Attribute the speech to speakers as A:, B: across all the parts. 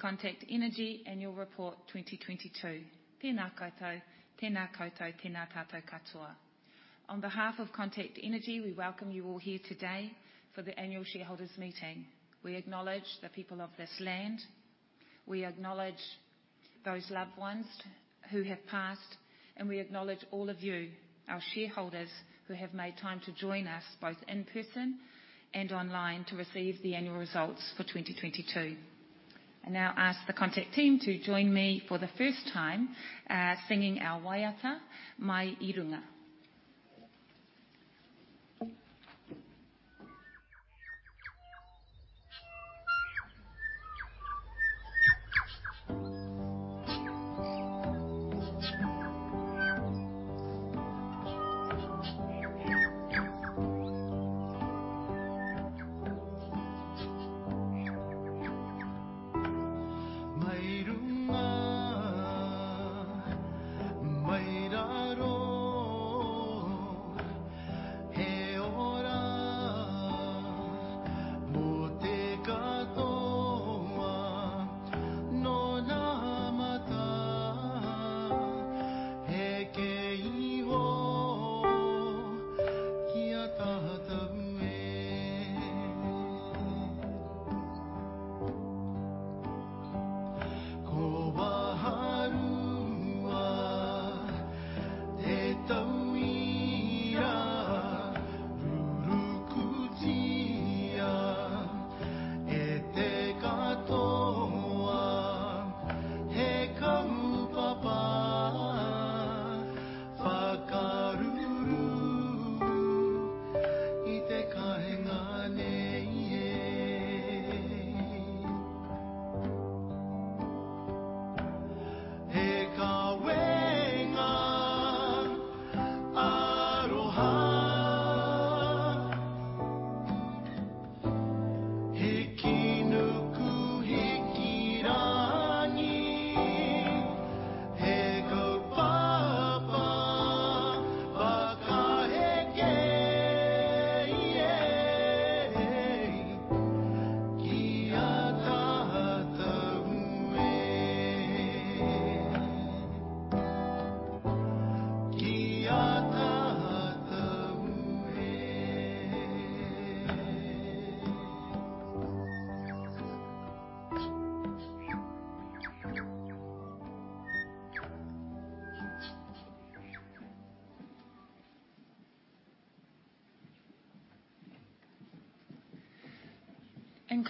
A: Contact Energy Annual Report 2022. Tēnā koutou, tēnā koutou, tēnā tātou katoa. On behalf of Contact Energy, we welcome you all here today for the annual shareholders' meeting. We acknowledge the people of this land, we acknowledge those loved ones who have passed, and we acknowledge all of you, our shareholders, who have made time to join us both in person and online to receive the annual results for 2022. I now ask the Contact team to join me for the first time singing our Waiata, Mai I Runga.
B: Mai i runga, mai i raro. He ora mō te katoa. Nō ngā mata hēkei iho kia tata pū e. Ko Waharua te tauira rurukutia e te katoa. He kaupapa whakaurua i te kāinga nei. He kaupapa aroha. He kīngi hiki rangi. He kaupapa whakaheke kia tata pū e. Kia tata pū e.
A: In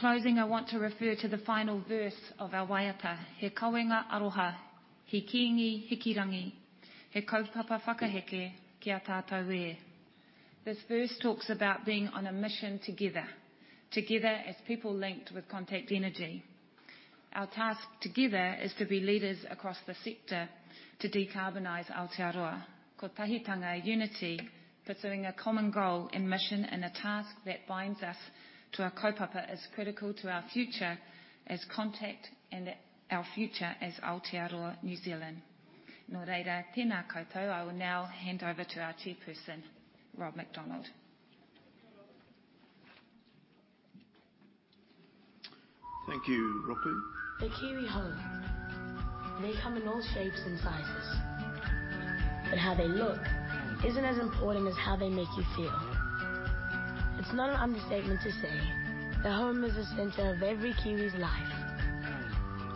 A: closing, I want to refer to the final verse of our waiata. He kaupapa aroha, he kīngi hiki rangi, he kaupapa whakaheke kia tata pū e. This verse talks about being on a mission together. Together as people linked with Contact Energy. Our task together is to be leaders across the sector to decarbonize Aotearoa. Kotahitanga, unity, pursuing a common goal and mission, and a task that binds us to our kaupapa is critical to our future as Contact and our future as Aotearoa, New Zealand. Nō reira, tēnā koutou. I will now hand over to our Chairperson, Rob McDonald.
C: Thank you, Ruku.
D: The Kiwi home. They come in all shapes and sizes. How they look isn't as important as how they make you feel. It's not an understatement to say that home is the center of every Kiwi's life.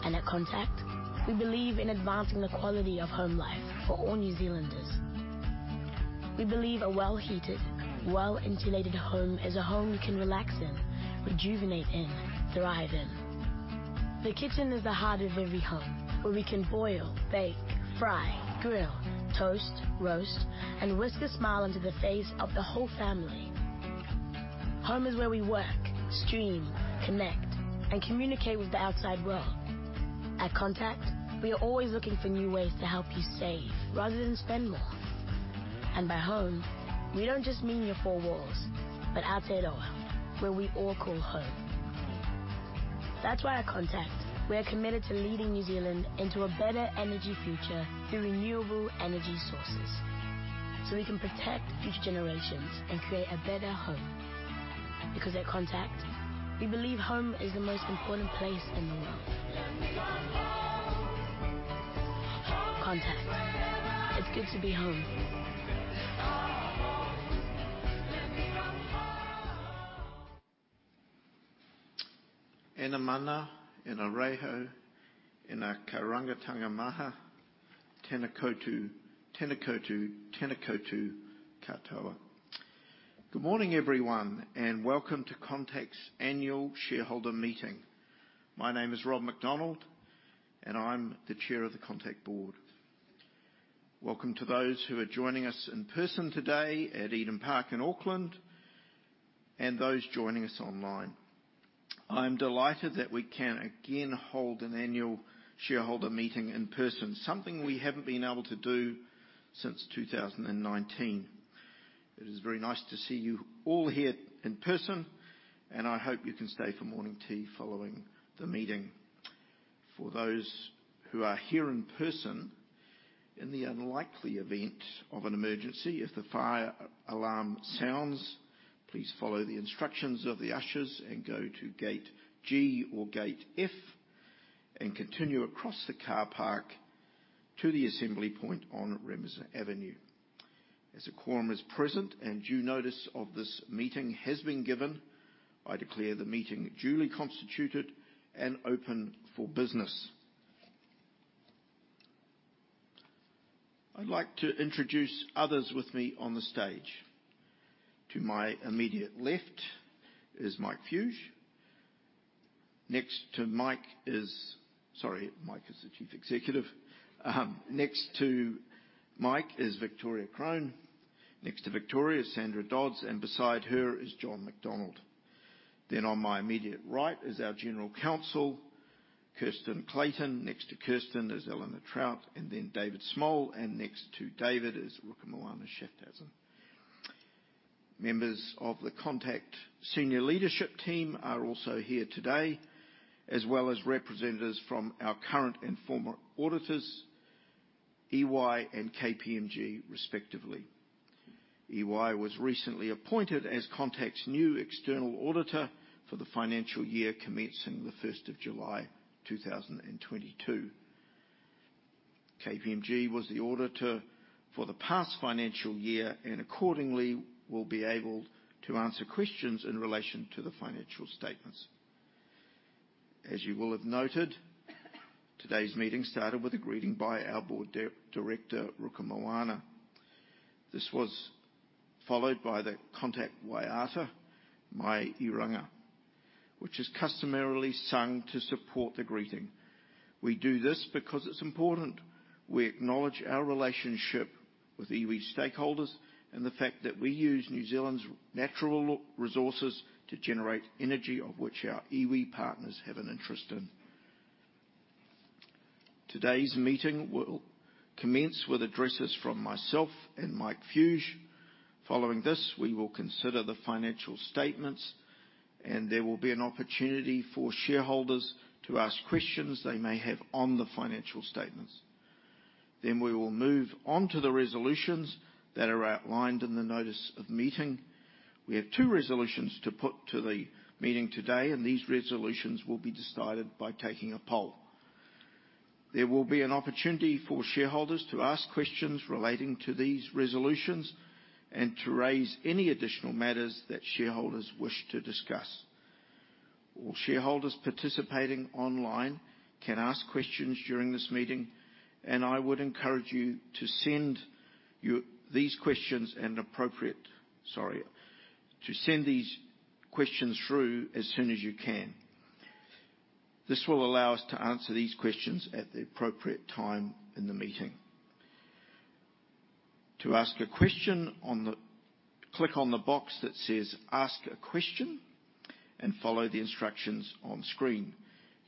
D: At Contact, we believe in advancing the quality of home life for all New Zealanders. We believe a well-heated, well-insulated home is a home you can relax in, rejuvenate in, thrive in. The kitchen is the heart of every home, where we can boil, bake, fry, grill, toast, roast, and whisk a smile onto the face of the whole family. Home is where we work, stream, connect, and communicate with the outside world. At Contact, we are always looking for new ways to help you save rather than spend more. By home, we don't just mean your four walls, but Aotearoa, where we all call home. That's why at Contact, we're committed to leading New Zealand into a better energy future through renewable energy sources, so we can protect future generations and create a better home. Because at Contact, we believe home is the most important place in the world. Let me come home. Contact, it's good to be home. Our home. Let me come home.
C: Ē ngā mana, ē ngā reo, ē ngā rangatira mā, tēnā koutou, tēnā koutou, tēnā koutou katoa. Good morning, everyone, and welcome to Contact's annual shareholder meeting. My name is Rob McDonald, and I'm the Chair of the Contact Board. Welcome to those who are joining us in person today at Eden Park in Auckland, and those joining us online. I'm delighted that we can again hold an annual shareholder meeting in person, something we haven't been able to do since 2019. It is very nice to see you all here in person, and I hope you can stay for morning tea following the meeting. For those who are here in person. In the unlikely event of an emergency, if the fire alarm sounds, please follow the instructions of the ushers and go to Gate G or Gate F and continue across the parking lot to the assembly point on Reimers Avenue. As a quorum is present and due notice of this meeting has been given, I declare the meeting duly constituted and open for business. I'd like to introduce others with me on the stage. To my immediate left is Mike Fuge. Sorry, Mike is the Chief Executive. Next to Mike is Victoria Crone. Next to Victoria is Sandra Dodds, and beside her is Jon Macdonald. Then on my immediate right is our General Counsel, Kirsten Clayton. Next to Kirsten is Elena Trout and then David Smol. Next to David is Rukumoana Schaafhausen. Members of the Contact senior leadership team are also here today, as well as representatives from our current and former auditors, EY and KPMG respectively. EY was recently appointed as Contact's new external auditor for the financial year commencing the first of July 2022. KPMG was the auditor for the past financial year and accordingly will be able to answer questions in relation to the financial statements. As you will have noted, today's meeting started with a greeting by our board director, Rukumoana. This was followed by the Contact Waiata Mai I Runga, which is customarily sung to support the greeting. We do this because it's important we acknowledge our relationship with iwi stakeholders and the fact that we use New Zealand's natural resources to generate energy of which our iwi partners have an interest in. Today's meeting will commence with addresses from myself and Mike Fuge. Following this, we will consider the financial statements and there will be an opportunity for shareholders to ask questions they may have on the financial statements. We will move on to the resolutions that are outlined in the notice of meeting. We have two resolutions to put to the meeting today, and these resolutions will be decided by taking a poll. There will be an opportunity for shareholders to ask questions relating to these resolutions and to raise any additional matters that shareholders wish to discuss. All shareholders participating online can ask questions during this meeting, and I would encourage you to send these questions through as soon as you can. This will allow us to answer these questions at the appropriate time in the meeting. To ask a question, click on the box that says Ask a Question and follow the instructions on screen.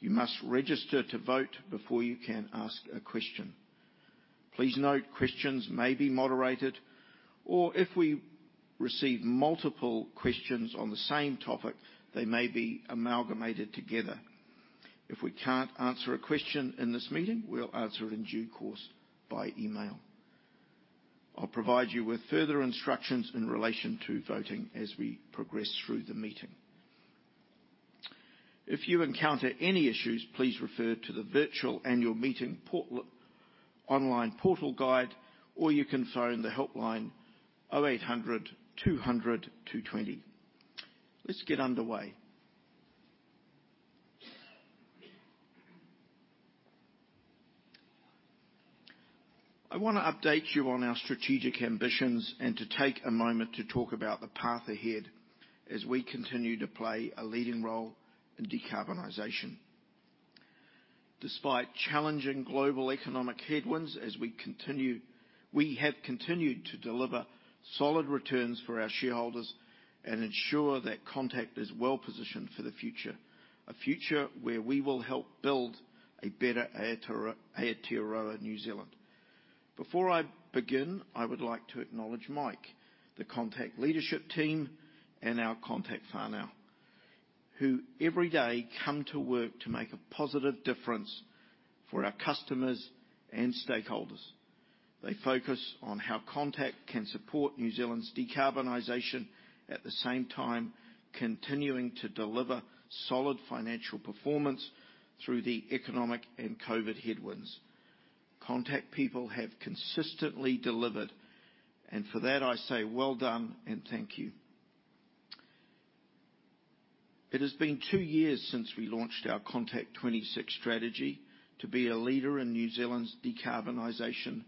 C: You must register to vote before you can ask a question. Please note, questions may be moderated, or if we receive multiple questions on the same topic, they may be amalgamated together. If we can't answer a question in this meeting, we'll answer it in due course by email. I'll provide you with further instructions in relation to voting as we progress through the meeting. If you encounter any issues, please refer to the virtual annual meeting online portal guide or you can phone the helpline 0800 200 220. Let's get underway. I wanna update you on our strategic ambitions and to take a moment to talk about the path ahead as we continue to play a leading role in decarbonization. Despite challenging global economic headwinds as we continue, we have continued to deliver solid returns for our shareholders and ensure that Contact is well-positioned for the future. A future where we will help build a better Aotearoa, New Zealand. Before I begin, I would like to acknowledge Mike, the Contact leadership team, and our Contact whānau, who every day come to work to make a positive difference for our customers and stakeholders. They focus on how Contact can support New Zealand's decarbonization, at the same time continuing to deliver solid financial performance through the economic and COVID headwinds. Contact people have consistently delivered, and for that I say well done and thank you. It has been two years since we launched our Contact26 strategy to be a leader in New Zealand's decarbonization.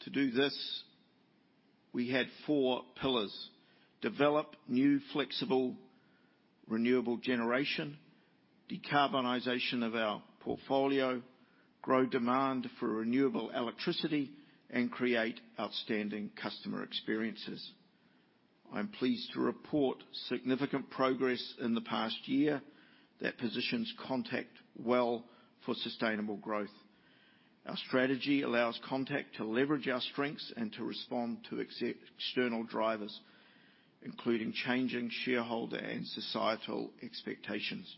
C: To do this, we had four pillars: develop new flexible renewable generation, decarbonization of our portfolio, grow demand for renewable electricity, and create outstanding customer experiences. I'm pleased to report significant progress in the past year that positions Contact well for sustainable growth. Our strategy allows Contact to leverage our strengths and to respond to external drivers, including changing shareholder and societal expectations.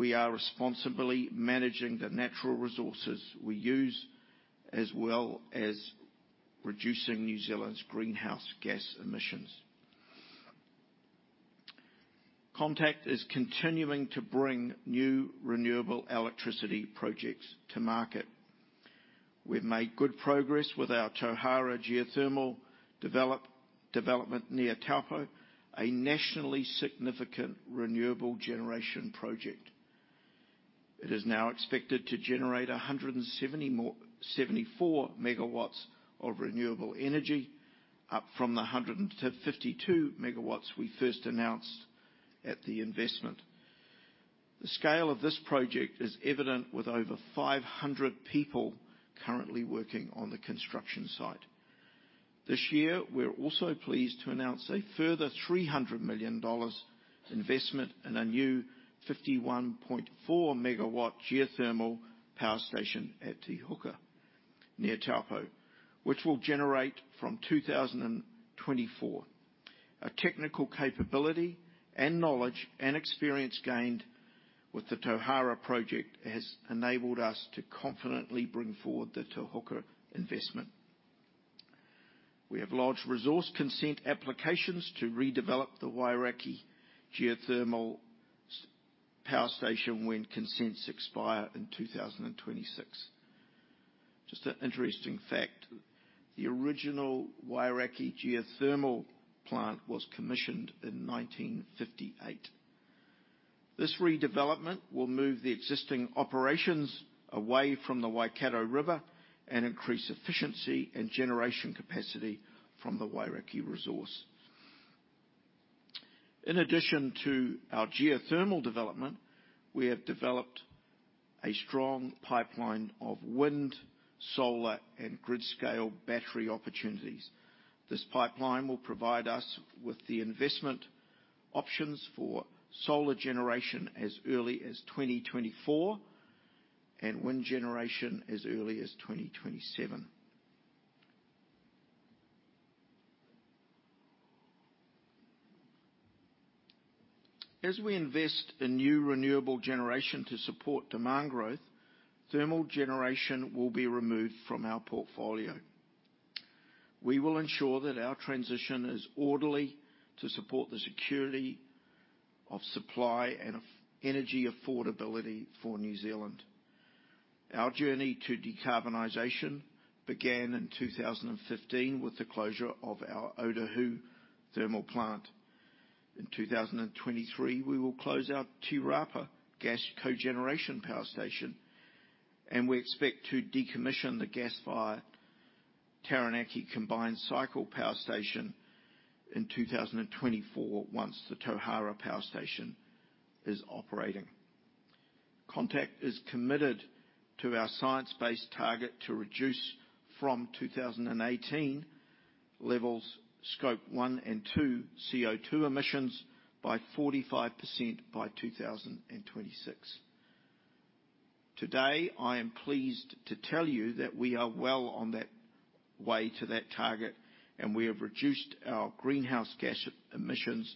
C: We are responsibly managing the natural resources we use, as well as reducing New Zealand's greenhouse gas emissions. Contact is continuing to bring new renewable electricity projects to market. We've made good progress with our Tauhara geothermal development near Taupō, a nationally significant renewable generation project. It is now expected to generate 174 MW of renewable energy, up from the 152 MW we first announced at the investment. The scale of this project is evident, with over 500 people currently working on the construction site. This year, we're also pleased to announce a further 300 million dollars investment in a new 51.4 MW geothermal power station at Te Huka, near Taupō, which will generate from 2024. Our technical capability and knowledge, and experience gained with the Tauhara project has enabled us to confidently bring forward the Te Huka investment. We have lodged resource consent applications to redevelop the Wairākei Geothermal power station when consents expire in 2026. Just an interesting fact, the original Wairākei geothermal plant was commissioned in 1958. This redevelopment will move the existing operations away from the Waikato River and increase efficiency and generation capacity from the Wairākei resource. In addition to our geothermal development, we have developed a strong pipeline of wind, solar, and grid-scale battery opportunities. This pipeline will provide us with the investment options for solar generation as early as 2024, and wind generation as early as 2027. As we invest in new renewable generation to support demand growth, thermal generation will be removed from our portfolio. We will ensure that our transition is orderly to support the security of supply and energy affordability for New Zealand. Our journey to decarbonization began in 2015 with the closure of our Ōtāhuhu thermal plant. In 2023, we will close our Te Rapa gas cogeneration power station, and we expect to decommission the gas-fired Taranaki combined cycle power station in 2024, once the Tauhara power station is operating. Contact is committed to our science-based target to reduce from 2018 levels Scope 1 and 2 CO₂ emissions by 45% by 2026. Today, I am pleased to tell you that we are well on that way to that target, and we have reduced our greenhouse gas emissions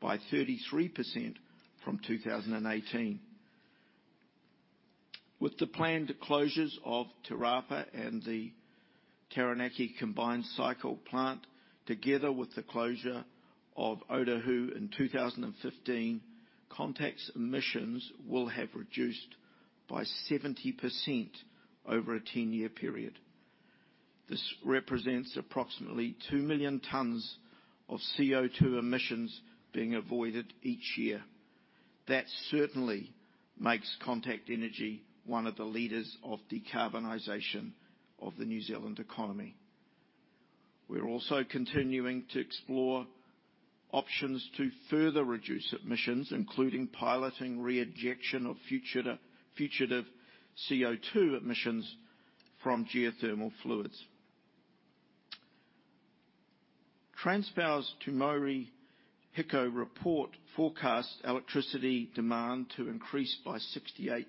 C: by 33% from 2018. With the planned closures of Te Rapa and the Taranaki combined cycle plant, together with the closure of Ōtāhuhu in 2015, Contact's emissions will have reduced by 70% over a 10-year period. This represents approximately 2 million tons of CO₂ emissions being avoided each year. That certainly makes Contact Energy one of the leaders of decarbonization of the New Zealand economy. We're also continuing to explore options to further reduce emissions, including piloting re-injection of future fugitive CO₂ emissions from geothermal fluids. Transpower's Scope 1 and 2 report forecasts electricity demand to increase by 68%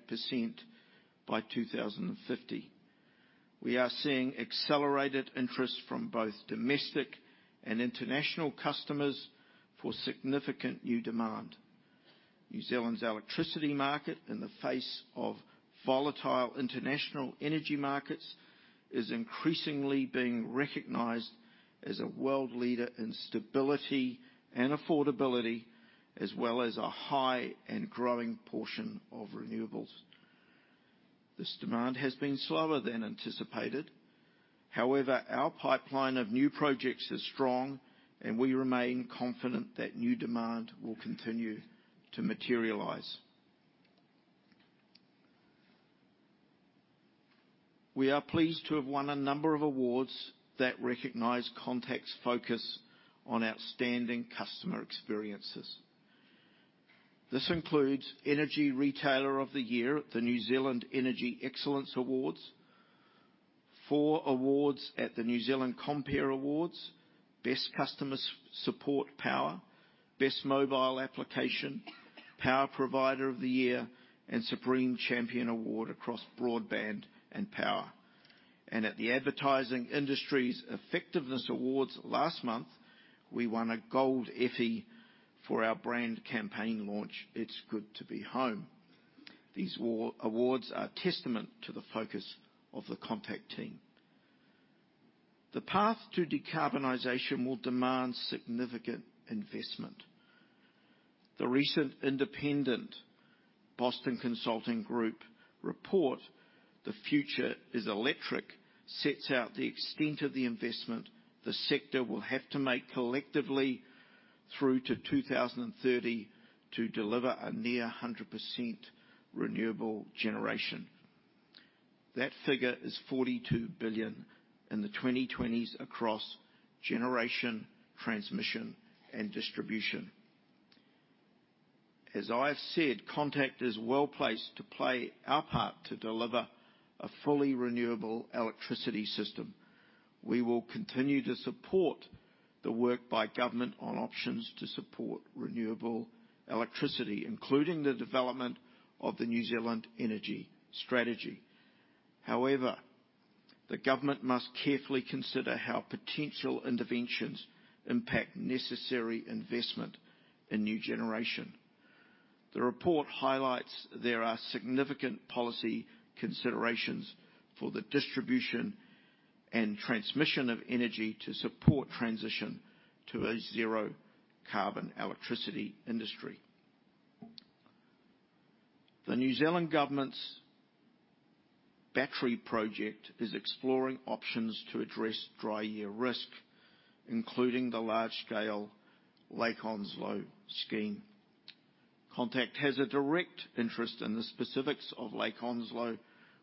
C: by 2050. We are seeing accelerated interest from both domestic and international customers for significant new demand. New Zealand's electricity market, in the face of volatile international energy markets, is increasingly being recognized as a world leader in stability and affordability, as well as a high and growing portion of renewables. This demand has been slower than anticipated. However, our pipeline of new projects is strong, and we remain confident that new demand will continue to materialize. We are pleased to have won a number of awards that recognize Contact's focus on outstanding customer experiences. This includes Energy Retailer of the Year at the New Zealand Energy Excellence Awards, four awards at the New Zealand Compare Awards, Best Customer Support, Power, Best mobile application, power provider of the year, and supreme champion award across broadband and power. At the Advertising Industry's Effectiveness Awards last month, we won a Gold Effie for our brand campaign launch, It's good to be home. These awards are testament to the focus of the Contact team. The path to decarbonization will demand significant investment. The recent independent Boston Consulting Group report, The Future is Electric, sets out the extent of the investment the sector will have to make collectively through to 2030 to deliver a near 100% renewable generation. That figure is 42 billion in the 2020s across generation, transmission, and distribution. As I've said, Contact is well-placed to play our part to deliver a fully renewable electricity system. We will continue to support the work by government on options to support renewable electricity, including the development of the New Zealand Energy Strategy. However, the government must carefully consider how potential interventions impact necessary investment in new generation. The report highlights there are significant policy considerations for the distribution and transmission of energy to support transition to a zero carbon electricity industry. The New Zealand government's battery project is exploring options to address dry year risk, including the large-scale Lake Onslow scheme. Contact has a direct interest in the specifics of Lake Onslow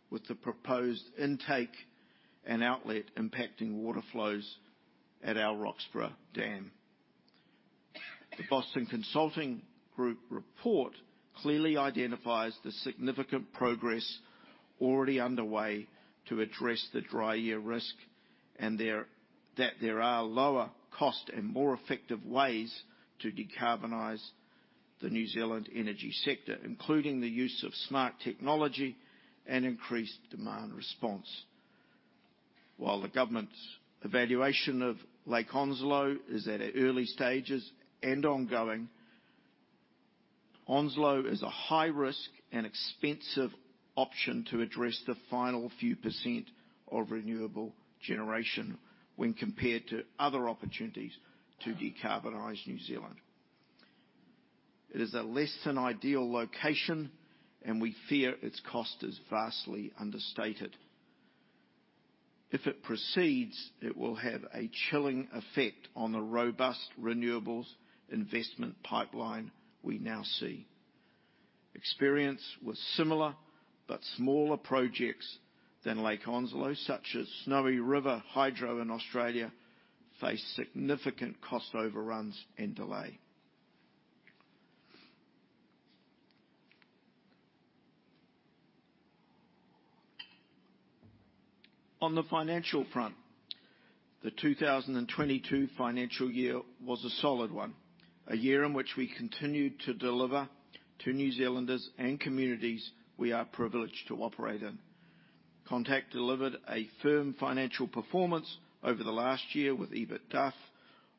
C: with the proposed intake and outlet impacting water flows at our Roxburgh Dam. The Boston Consulting Group report clearly identifies the significant progress already underway to address the dry year risk and that there are lower cost and more effective ways to decarbonize the New Zealand energy sector, including the use of smart technology and increased demand response. While the government's evaluation of Lake Onslow is at an early stages and ongoing, Onslow is a high-risk and expensive option to address the final few percent of renewable generation when compared to other opportunities to decarbonize New Zealand. It is a less than ideal location, and we fear its cost is vastly understated. If it proceeds, it will have a chilling effect on the robust renewables investment pipeline we now see. Experience with similar but smaller projects than Lake Onslow, such as Snowy Hydro in Australia, face significant cost overruns and delay. On the financial front, the 2022 financial year was a solid one, a year in which we continued to deliver to New Zealanders and communities we are privileged to operate in. Contact delivered a firm financial performance over the last year with EBITDAF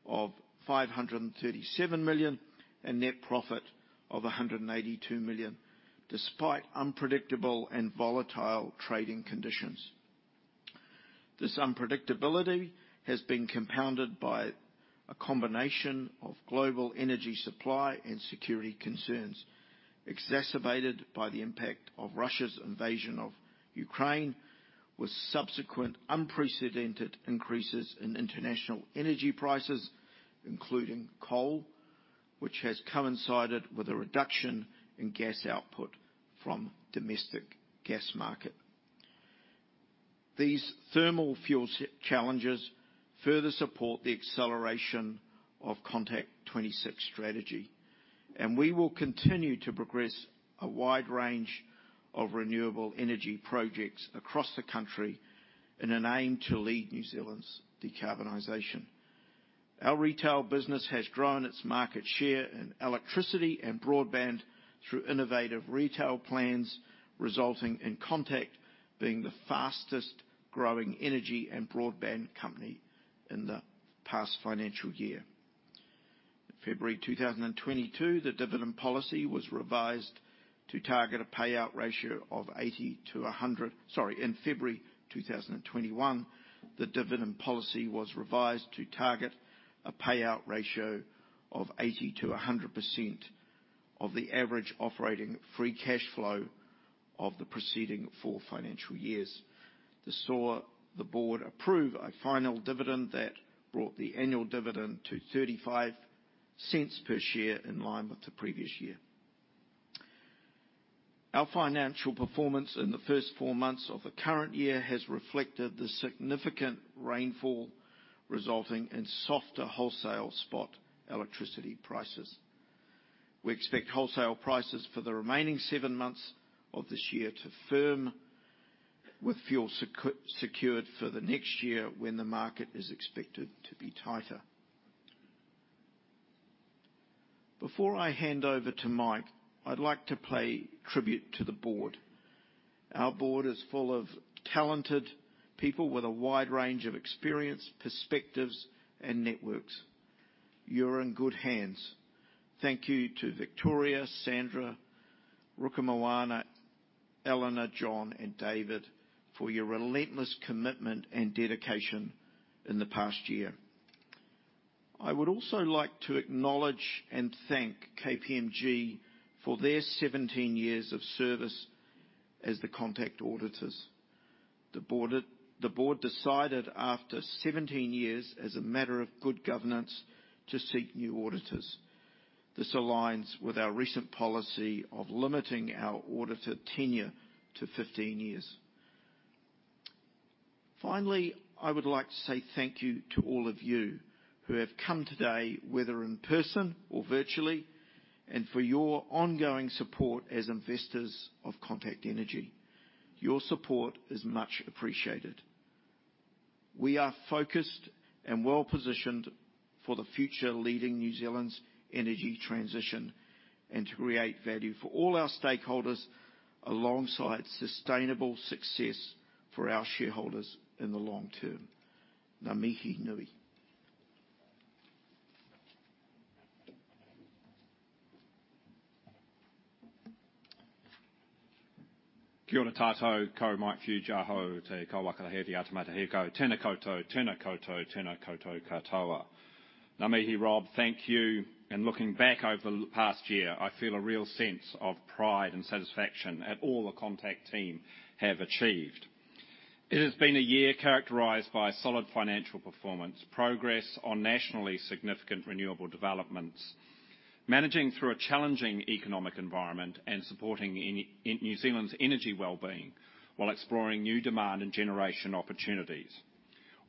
C: of 537 million, and net profit of 182 million, despite unpredictable and volatile trading conditions. This unpredictability has been compounded by a combination of global energy supply and security concerns, exacerbated by the impact of Russia's invasion of Ukraine, with subsequent unprecedented increases in international energy prices, including coal, which has coincided with a reduction in gas output from domestic gas market. These thermal fuel challenges further support the acceleration of Contact26 strategy, and we will continue to progress a wide range of renewable energy projects across the country in an aim to lead New Zealand's decarbonization. Our retail business has grown its market share in electricity and broadband through innovative retail plans, resulting in Contact being the fastest growing energy and broadband company in the past financial year. In February 2022, the dividend policy was revised to target a payout ratio of 80%-100%. Sorry. In February 2021, the dividend policy was revised to target a payout ratio of 80%-100% of the average operating free cash flow of the preceding four financial years. This saw the board approve a final dividend that brought the annual dividend to 0.35 per share in line with the previous year. Our financial performance in the first four months of the current year has reflected the significant rainfall resulting in softer wholesale spot electricity prices. We expect wholesale prices for the remaining seven months of this year to firm with fuel secured for the next year when the market is expected to be tighter. Before I hand over to Mike, I'd like to pay tribute to the board. Our board is full of talented people with a wide range of experience, perspectives, and networks. You're in good hands. Thank you to Victoria, Sandra, Rukumoana, Elena, Jon, and David for your relentless commitment and dedication in the past year. I would also like to acknowledge and thank KPMG for their 17 years of service as the Contact auditors. The board decided after 17 years, as a matter of good governance, to seek new auditors. This aligns with our recent policy of limiting our auditor tenure to 15 years. Finally, I would like to say thank you to all of you who have come today, whether in person or virtually, and for your ongoing support as investors of Contact Energy. Your support is much appreciated. We are focused and well-positioned for the future leading New Zealand's energy transition and to create value for all our stakeholders alongside sustainable success for our shareholders in the long term. Ngā mihi nui.
E: Kia ora koutou. Ko Mike Fuge ahau. Te kaupapa o te atamata he kau. Tēnā koutou. Tēnā koutou. Tēnā koutou katoa. Ngā mihi, Rob. Thank you. In looking back over the past year, I feel a real sense of pride and satisfaction at all the Contact team have achieved. It has been a year characterized by solid financial performance, progress on nationally significant renewable developments, managing through a challenging economic environment, and supporting New Zealand's energy well-being while exploring new demand and generation opportunities.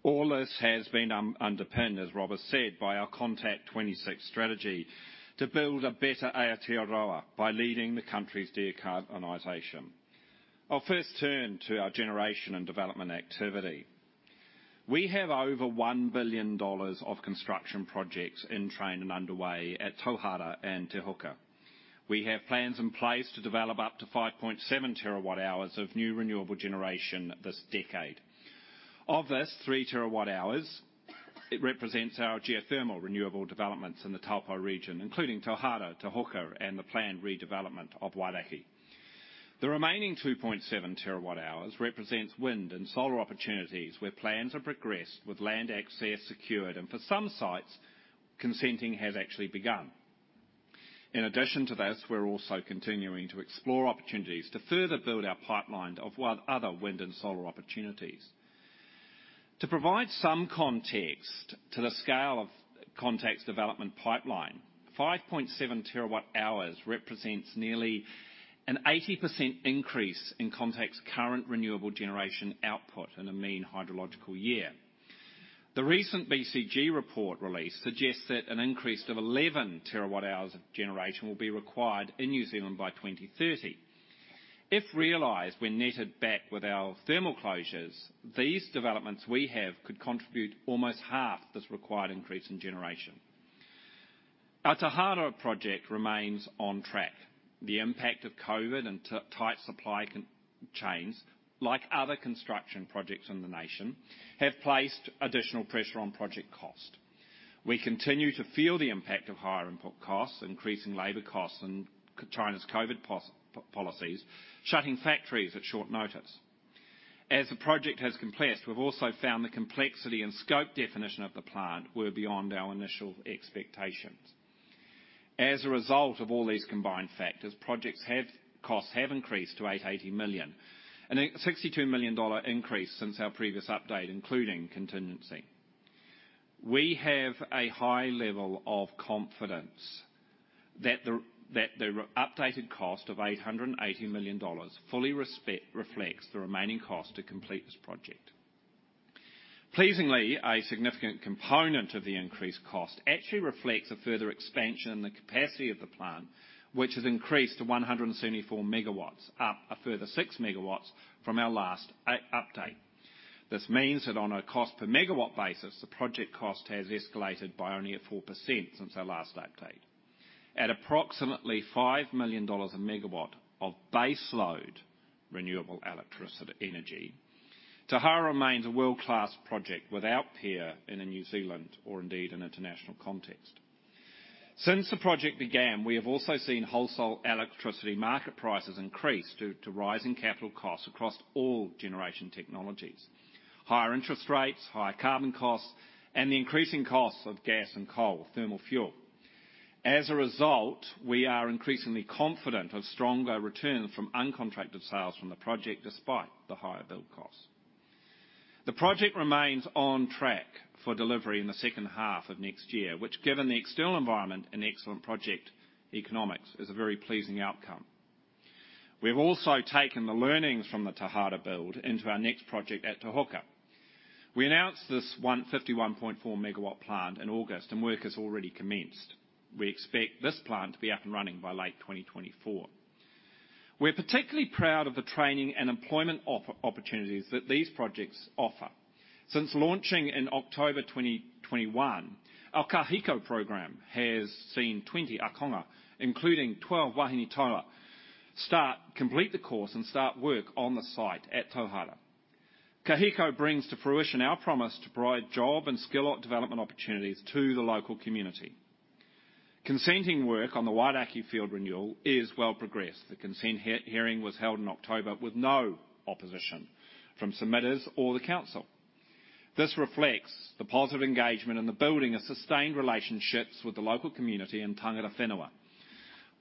E: All this has been underpinned, as Rob has said, by our Contact26 strategy to build a better Aotearoa by leading the country's decarbonization. I'll first turn to our generation and development activity. We have over 1 billion dollars of construction projects in train and underway at Tauhara and Te Huka. We have plans in place to develop up to 5.7 TWh of new renewable generation this decade. Of this, 3 TWh, it represents our geothermal renewable developments in the Taupō region, including Tauhara, Te Huka, and the planned redevelopment of Wairakei. The remaining 2.7 TWh represents wind and solar opportunities where plans have progressed with land access secured, and for some sites, consenting has actually begun. In addition to this, we're also continuing to explore opportunities to further build our pipeline of other wind and solar opportunities. To provide some context to the scale of Contact's development pipeline, 5.7 TWh represents nearly an 80% increase in Contact's current renewable generation output in a mean hydrological year. The recent BCG report release suggests that an increase of 11 TWh of generation will be required in New Zealand by 2030. If realized, when netted back with our thermal closures, these developments we have could contribute almost half this required increase in generation. Our Tauhara project remains on track. The impact of COVID and tight supply chains, like other construction projects in the nation, have placed additional pressure on project cost. We continue to feel the impact of higher input costs, increasing labor costs, and China's COVID policies, shutting factories at short notice. As the project has progressed, we've also found the complexity and scope definition of the plant were beyond our initial expectations. As a result of all these combined factors, costs have increased to 880 million, a 62 million dollar increase since our previous update, including contingency. We have a high level of confidence that the updated cost of 880 million dollars fully reflects the remaining cost to complete this project. Pleasingly, a significant component of the increased cost actually reflects a further expansion in the capacity of the plant, which has increased to 174 MW, up a further 6 MW from our last update. This means that on a cost per MW basis, the project cost has escalated by only 4% since our last update. At approximately 5 million dollars a MW of base load, renewable electricity energy, Tauhara remains a world-class project without peer in New Zealand or indeed an international context. Since the project began, we have also seen wholesale electricity market prices increase due to rising capital costs across all generation technologies, higher interest rates, higher carbon costs, and the increasing costs of gas and coal, thermal fuel. As a result, we are increasingly confident of stronger returns from uncontracted sales from the project despite the higher build costs. The project remains on track for delivery in the second half of next year, which given the external environment and excellent project economics, is a very pleasing outcome. We've also taken the learnings from the Tauhara build into our next project at Te Huka. We announced this 151.4 MW plant in August and work has already commenced. We expect this plant to be up and running by late 2024. We're particularly proud of the training and employment offer opportunities that these projects offer. Since launching in October 2021, our Ka Hiko program has seen 20 Ākonga, including 12 Wāhine Toa start, complete the course and start work on the site at Tauhara. Ka Hiko brings to fruition our promise to provide job and skill development opportunities to the local community. Consenting work on the Wairakei field renewal is well progressed. The consent hearing was held in October with no opposition from submitters or the council. This reflects the positive engagement in the building of sustained relationships with the local community and tangata whenua.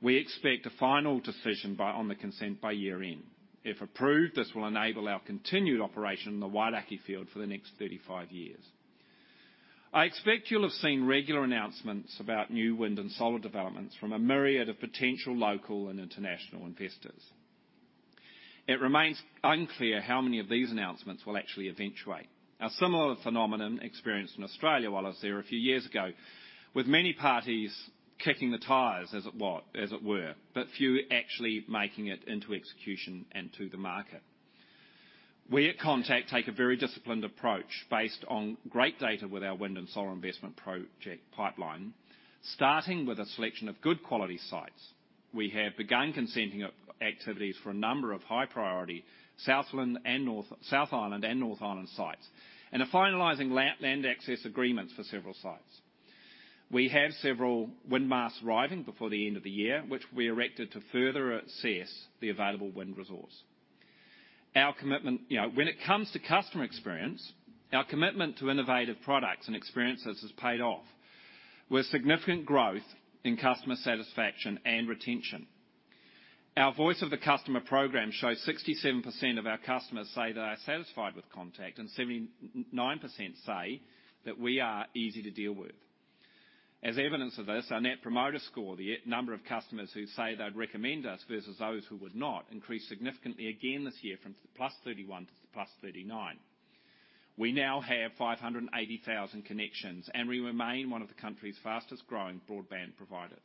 E: We expect a final decision on the consent by year-end. If approved, this will enable our continued operation in the Wairākei field for the next 35 years. I expect you'll have seen regular announcements about new wind and solar developments from a myriad of potential local and international investors. It remains unclear how many of these announcements will actually eventuate. A similar phenomenon experienced in Australia while I was there a few years ago, with many parties kicking the tires as it were, but few actually making it into execution and to the market. We at Contact take a very disciplined approach based on great data with our wind and solar investment project pipeline, starting with a selection of good quality sites. We have begun consenting activities for a number of high priority Southland and South Island and North Island sites and are finalizing land access agreements for several sites. We have several wind masts arriving before the end of the year, which will be erected to further assess the available wind resource. Our commitment, you know. When it comes to customer experience, our commitment to innovative products and experiences has paid off, with significant growth in customer satisfaction and retention. Our Voice of the Customer program shows 67% of our customers say they are satisfied with Contact, and 79% say that we are easy to deal with. As evidence of this, our Net Promoter Score, the number of customers who say they'd recommend us versus those who would not, increased significantly again this year from +31 to +39. We now have 580,000 connections, and we remain one of the country's fastest-growing broadband providers.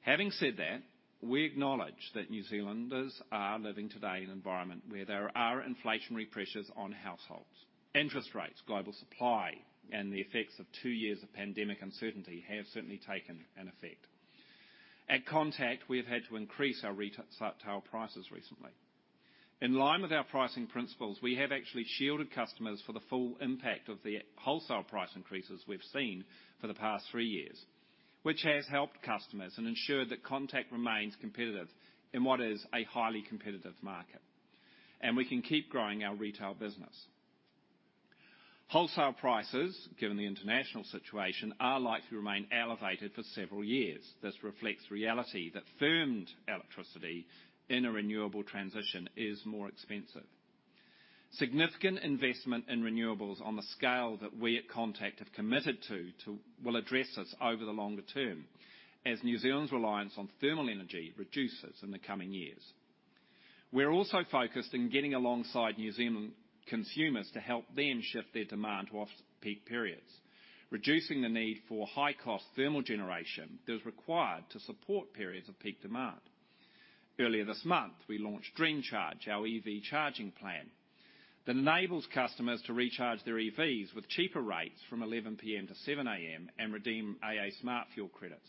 E: Having said that, we acknowledge that New Zealanders are living today in an environment where there are inflationary pressures on households. Interest rates, global supply, and the effects of two years of pandemic uncertainty have certainly taken an effect. At Contact, we have had to increase our retail prices recently. In line with our pricing principles, we have actually shielded customers for the full impact of the wholesale price increases we've seen for the past three years, which has helped customers and ensured that Contact remains competitive in what is a highly competitive market, and we can keep growing our retail business. Wholesale prices, given the international situation, are likely to remain elevated for several years. This reflects the reality that firmed electricity in a renewable transition is more expensive. Significant investment in renewables on the scale that we at Contact have committed to will address this over the longer term as New Zealand's reliance on thermal energy reduces in the coming years. We're also focused on getting alongside New Zealand consumers to help them shift their demand to off-peak periods, reducing the need for high-cost thermal generation that is required to support periods of peak demand. Earlier this month, we launched Dream Charge, our EV charging plan. That enables customers to recharge their EVs with cheaper rates from 11:00 P.M. to 7:00 A.M. and redeem AA Smartfuel credits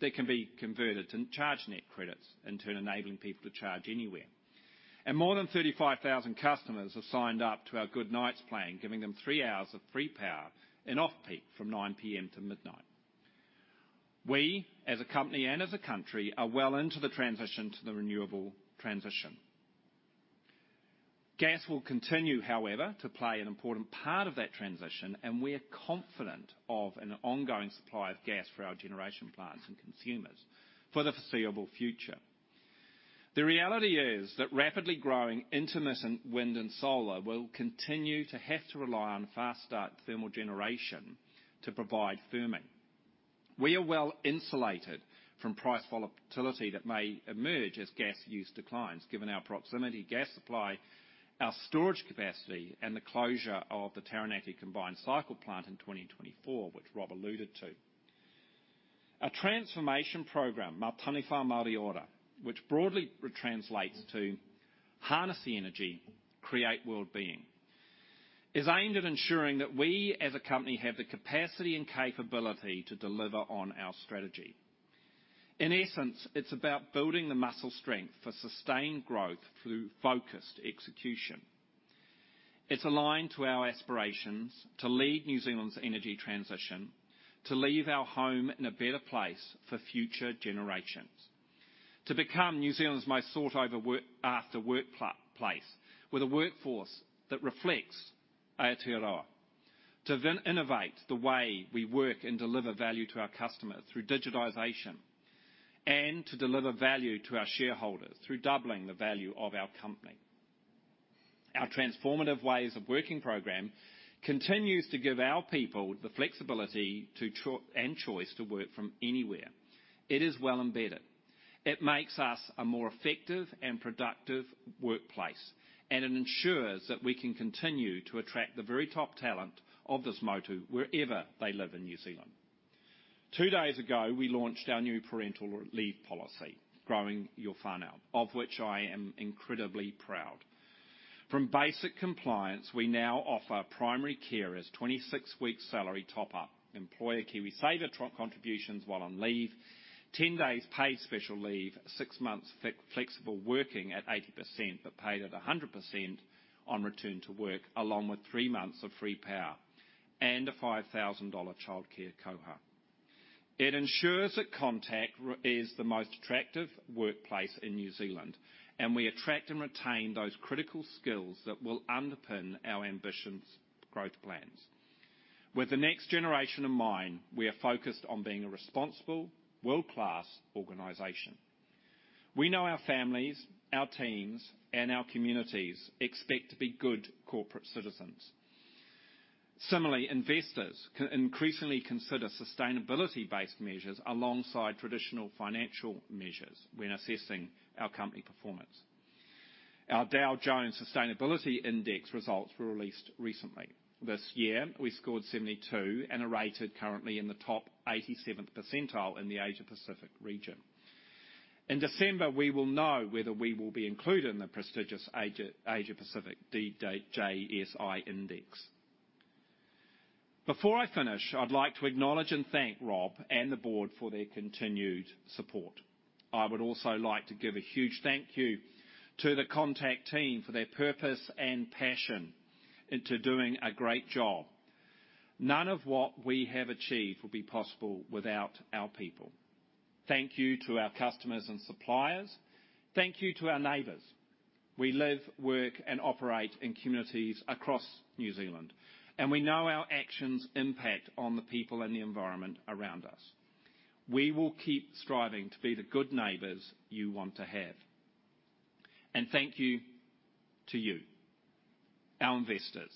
E: that can be converted to ChargeNet credits, in turn enabling people to charge anywhere. More than 35,000 customers have signed up to our Good Nights plan, giving them three hours of free power in off-peak from 9:00 P.M. to midnight. We, as a company and as a country, are well into the transition to the renewable transition. Gas will continue, however, to play an important part of that transition, and we are confident of an ongoing supply of gas for our generation plants and consumers for the foreseeable future. The reality is that rapidly growing intermittent wind and solar will continue to have to rely on fast start thermal generation to provide firming. We are well-insulated from price volatility that may emerge as gas use declines, given our proximate gas supply, our storage capacity, and the closure of the Taranaki combined cycle plant in 2024, which Rob alluded to. Our transformation program, Mau Taniwha, Mauri Ora, which broadly re-translates to harness the energy, create well-being, is aimed at ensuring that we as a company have the capacity and capability to deliver on our strategy. In essence, it's about building the muscle strength for sustained growth through focused execution. It's aligned to our aspirations to lead New Zealand's energy transition, to leave our home in a better place for future generations, to become New Zealand's most sought-after workplace, with a workforce that reflects Aotearoa, to then innovate the way we work and deliver value to our customers through digitization, and to deliver value to our shareholders through doubling the value of our company. Our transformative ways of working program continues to give our people the flexibility and choice to work from anywhere. It is well embedded. It makes us a more effective and productive workplace, and it ensures that we can continue to attract the very top talent of this motu wherever they live in New Zealand. Two days ago, we launched our new parental leave policy, Growing Your Whānau, of which I am incredibly proud. From basic compliance, we now offer primary carers 26 weeks salary top-up, employer KiwiSaver contributions while on leave, 10 days paid special leave, six months flexible working at 80%, but paid at 100% on return to work, along with three months of free power and a 5,000 dollar childcare koha. It ensures that Contact is the most attractive workplace in New Zealand, and we attract and retain those critical skills that will underpin our ambitious growth plans. With the next generation in mind, we are focused on being a responsible, world-class organization. We know our families, our teams, and our communities expect to be good corporate citizens. Similarly, investors can increasingly consider sustainability-based measures alongside traditional financial measures when assessing our company performance. Our Dow Jones Sustainability Index results were released recently. This year, we scored 72 and are rated currently in the top 87th percentile in the Asia-Pacific region. In December, we will know whether we will be included in the prestigious Asia-Pacific DJSI index. Before I finish, I'd like to acknowledge and thank Rob and the board for their continued support. I would also like to give a huge thank you to the Contact team for their purpose and passion into doing a great job. None of what we have achieved would be possible without our people. Thank you to our customers and suppliers. Thank you to our neighbors. We live, work, and operate in communities across New Zealand, and we know our actions impact on the people and the environment around us. We will keep striving to be the good neighbors you want to have. Thank you to you, our investors.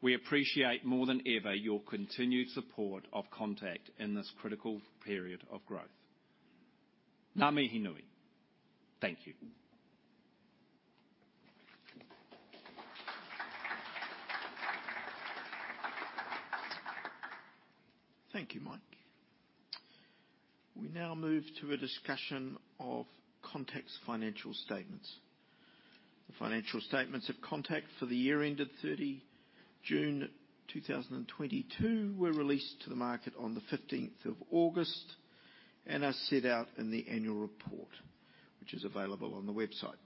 E: We appreciate more than ever your continued support of Contact in this critical period of growth. Ngā mihi nui. Thank you.
C: Thank you, Mike. We now move to a discussion of Contact's financial statements. The financial statements of Contact for the year ended 30 June 2022 were released to the market on the 15th of August and are set out in the annual report, which is available on the website.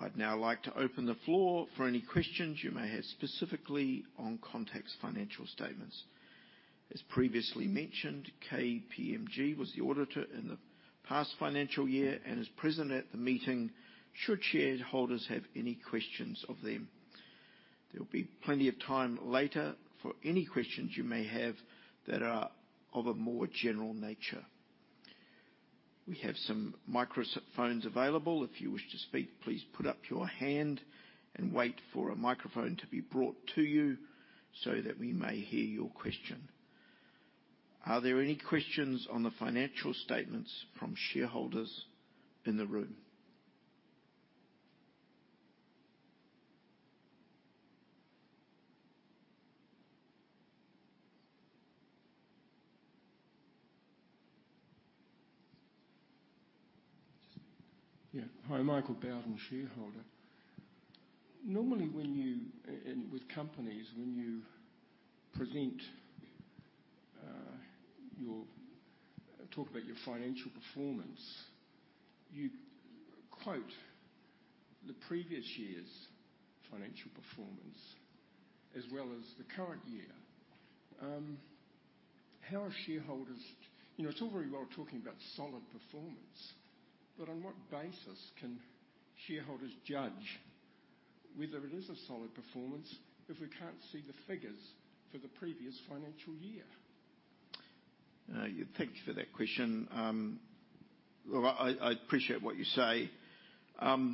C: I'd now like to open the floor for any questions you may have specifically on Contact's financial statements. As previously mentioned, KPMG was the auditor in the past financial year and is present at the meeting, should shareholders have any questions of them. There'll be plenty of time later for any questions you may have that are of a more general nature. We have some microphones available. If you wish to speak, please put up your hand and wait for a microphone to be brought to you so that we may hear your question. Are there any questions on the financial statements from shareholders in the room?
F: Yeah. Hi, Michael Bowden, Shareholder. Normally, with companies, when you present your talk about your financial performance, you quote the previous year's financial performance as well as the current year. How are shareholders, you know? It's all very well talking about solid performance, but on what basis can shareholders judge whether it is a solid performance if we can't see the figures for the previous financial year?
C: Thank you for that question. Well, I appreciate what you say. I'll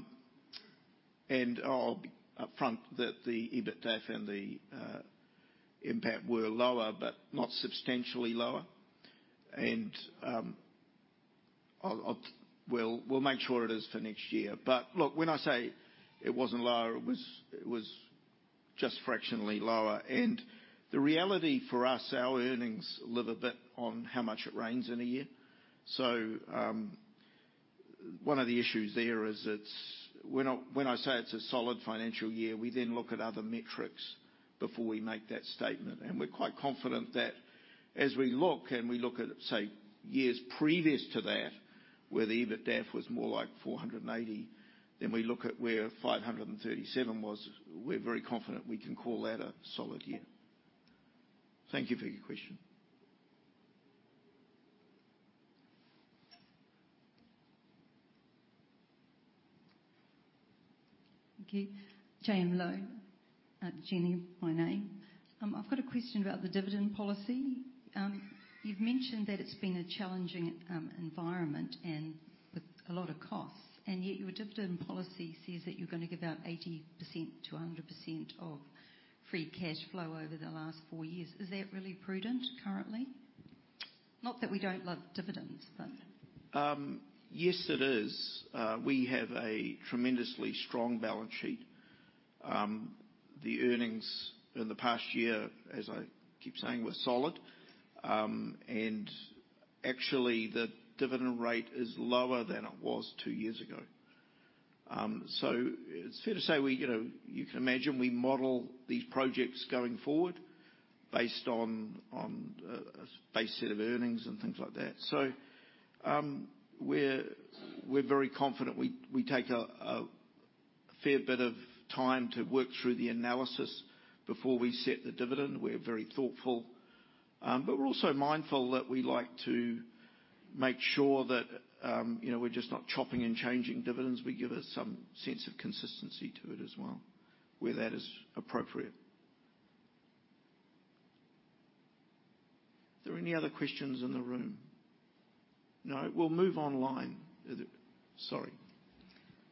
C: be upfront that the EBITDA and the NPAT were lower, but not substantially lower. We'll make sure it is for next year. Look, when I say it wasn't lower, it was just fractionally lower. The reality for us, our earnings live a bit on how much it rains in a year. One of the issues there is, when I say it's a solid financial year, we then look at other metrics before we make that statement. We're quite confident that as we look at, say, years previous to that, where the EBITDA was more like 480, then we look at where 537 was, we're very confident we can call that a solid year. Thank you for your question.
G: Thank you. Jane Lowe. I've got a question about the dividend policy. You've mentioned that it's been a challenging environment and with a lot of costs, and yet your dividend policy says that you're gonna give out 80%-100% of free cash flow over the last four years. Is that really prudent currently? Not that we don't love dividends, but.
C: Yes, it is. We have a tremendously strong balance sheet. The earnings in the past year, as I keep saying, were solid. Actually, the dividend rate is lower than it was two years ago. It's fair to say we, you know, you can imagine we model these projects going forward based on, a base set of earnings and things like that. We're very confident. We take a fair bit of time to work through the analysis before we set the dividend. We're very thoughtful, but we're also mindful that we like to make sure that, you know, we're just not chopping and changing dividends. We give it some sense of consistency to it as well, where that is appropriate. Are there any other questions in the room? No? We'll move online. Sorry.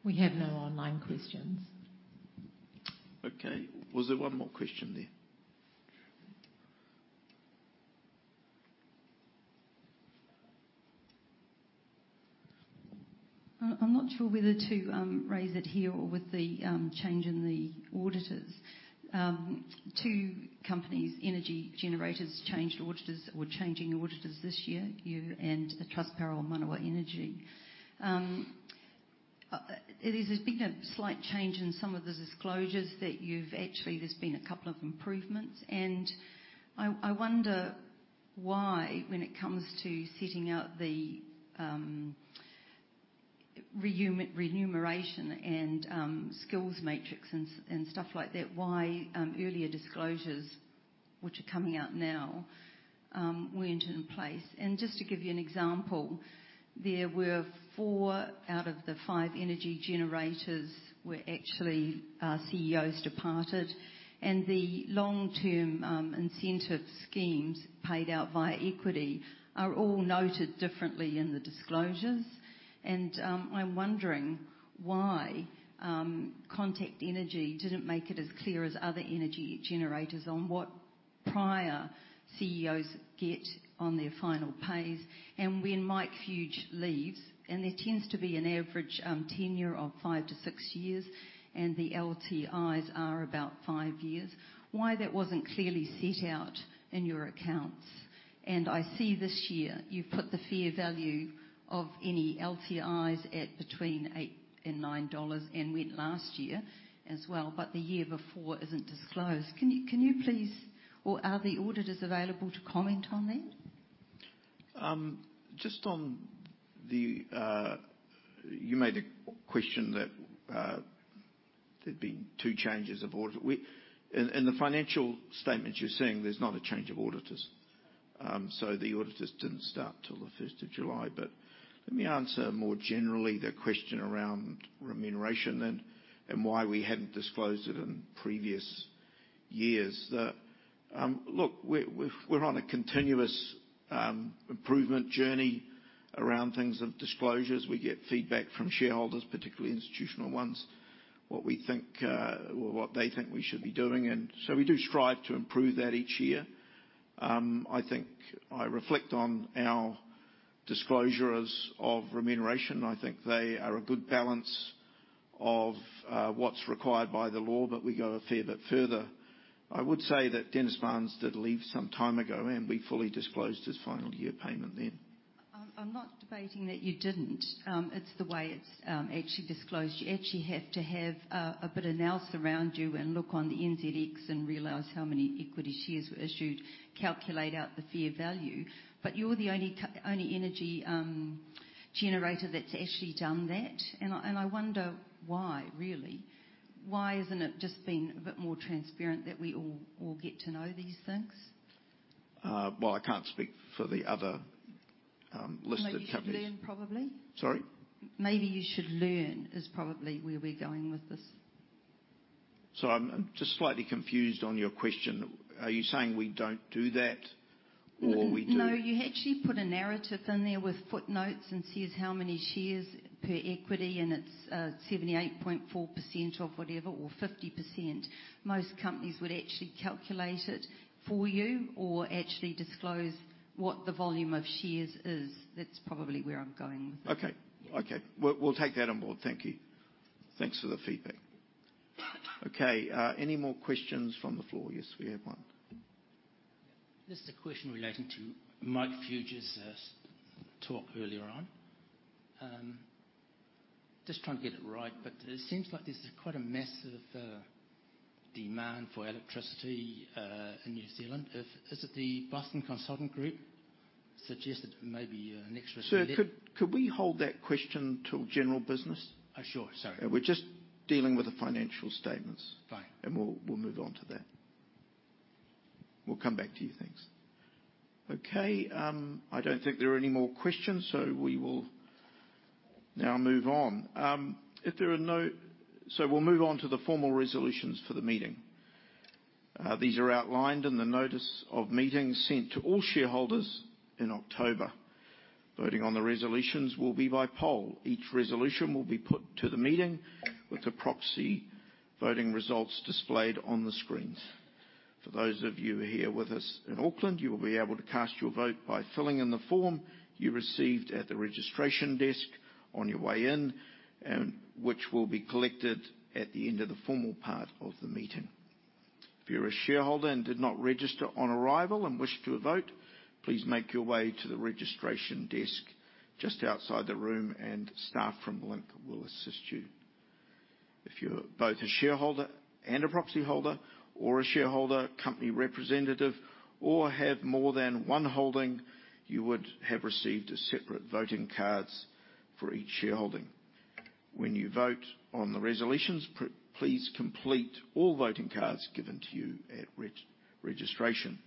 A: We have no online questions.
C: Okay. Was there one more question there?
G: I'm not sure whether to raise it here or with the change in the auditors. Two companies, energy generators changed auditors or changing auditors this year, you and Trustpower and Manawa Energy. There's been a slight change in some of the disclosures that you've actually made. There's been a couple of improvements, and I wonder why when it comes to setting out the remuneration and skills matrix and stuff like that, why earlier disclosures, which are coming out now, weren't in place. Just to give you an example, there were four out of the five energy generators where actually CEOs departed, and the long-term incentive schemes paid out via equity are all noted differently in the disclosures. I'm wondering why Contact Energy didn't make it as clear as other energy generators on what prior CEOs get on their final pays? When Mike Fuge leaves, there tends to be an average tenure of five-six years, and the LTIs are about five years. Why that wasn't clearly set out in your accounts. I see this year you've put the fair value of any LTIs at between 8-9 dollars and one last year as well, but the year before isn't disclosed. Can you please. Or are the auditors available to comment on that?
C: Just on the, you made a question that there'd been two changes of audit. In the financial statements, you're saying there's not a change of auditors. So the auditors didn't start till the first of July. Let me answer more generally the question around remuneration and why we hadn't disclosed it in previous years. Look, we're on a continuous improvement journey around things of disclosures. We get feedback from shareholders, particularly institutional ones, what we think or what they think we should be doing. We do strive to improve that each year. I think I reflect on our disclosures of remuneration. I think they are a good balance of what's required by the law, but we go a fair bit further. I would say that Dennis Barnes did leave some time ago, and we fully disclosed his final year payment then.
G: I'm not debating that you didn't. It's the way it's actually disclosed. You actually have to have a bit of nous around you and look on the NZX and realize how many equity shares were issued, calculate out the fair value. You're the only energy generator that's actually done that. I wonder why, really. Why isn't it just been a bit more transparent that we all get to know these things?
C: Well, I can't speak for the other listed companies.
G: Maybe you should learn, probably.
C: Sorry?
G: Maybe you should learn is probably where we're going with this.
C: I'm just slightly confused on your question. Are you saying we don't do that or we do?
G: No, you actually put a narrative in there with footnotes and says how many shares per equity, and it's 78.4% of whatever or 50%. Most companies would actually calculate it for you or actually disclose what the volume of shares is? That's probably where I'm going with it.
C: Okay. We'll take that on board. Thank you. Thanks for the feedback. Okay, any more questions from the floor? Yes, we have one.
H: This is a question relating to Mike Fuge's talk earlier on. Just trying to get it right, but it seems like there's quite a massive demand for electricity in New Zealand. Is it the Boston Consulting Group suggested maybe an extra three dec-
C: Sir, could we hold that question till general business?
H: Oh, sure. Sorry.
C: We're just dealing with the financial statements.
H: Fine.
C: We'll move on. We'll come back to you. Thanks. Okay, I don't think there are any more questions, so we will now move on. We'll move on to the formal resolutions for the meeting. These are outlined in the notice of meetings sent to all shareholders in October. Voting on the resolutions will be by poll. Each resolution will be put to the meeting with the proxy voting results displayed on the screens. For those of you here with us in Auckland, you will be able to cast your vote by filling in the form you received at the registration desk on your way in, and which will be collected at the end of the formal part of the meeting. If you're a shareholder and did not register on arrival and wish to vote, please make your way to the registration desk just outside the room, and staff from Link will assist you. If you're both a shareholder and a proxy holder or a shareholder, company representative, or have more than one holding, you would have received separate voting cards for each shareholding. When you vote on the resolutions, please complete all voting cards given to you at registration.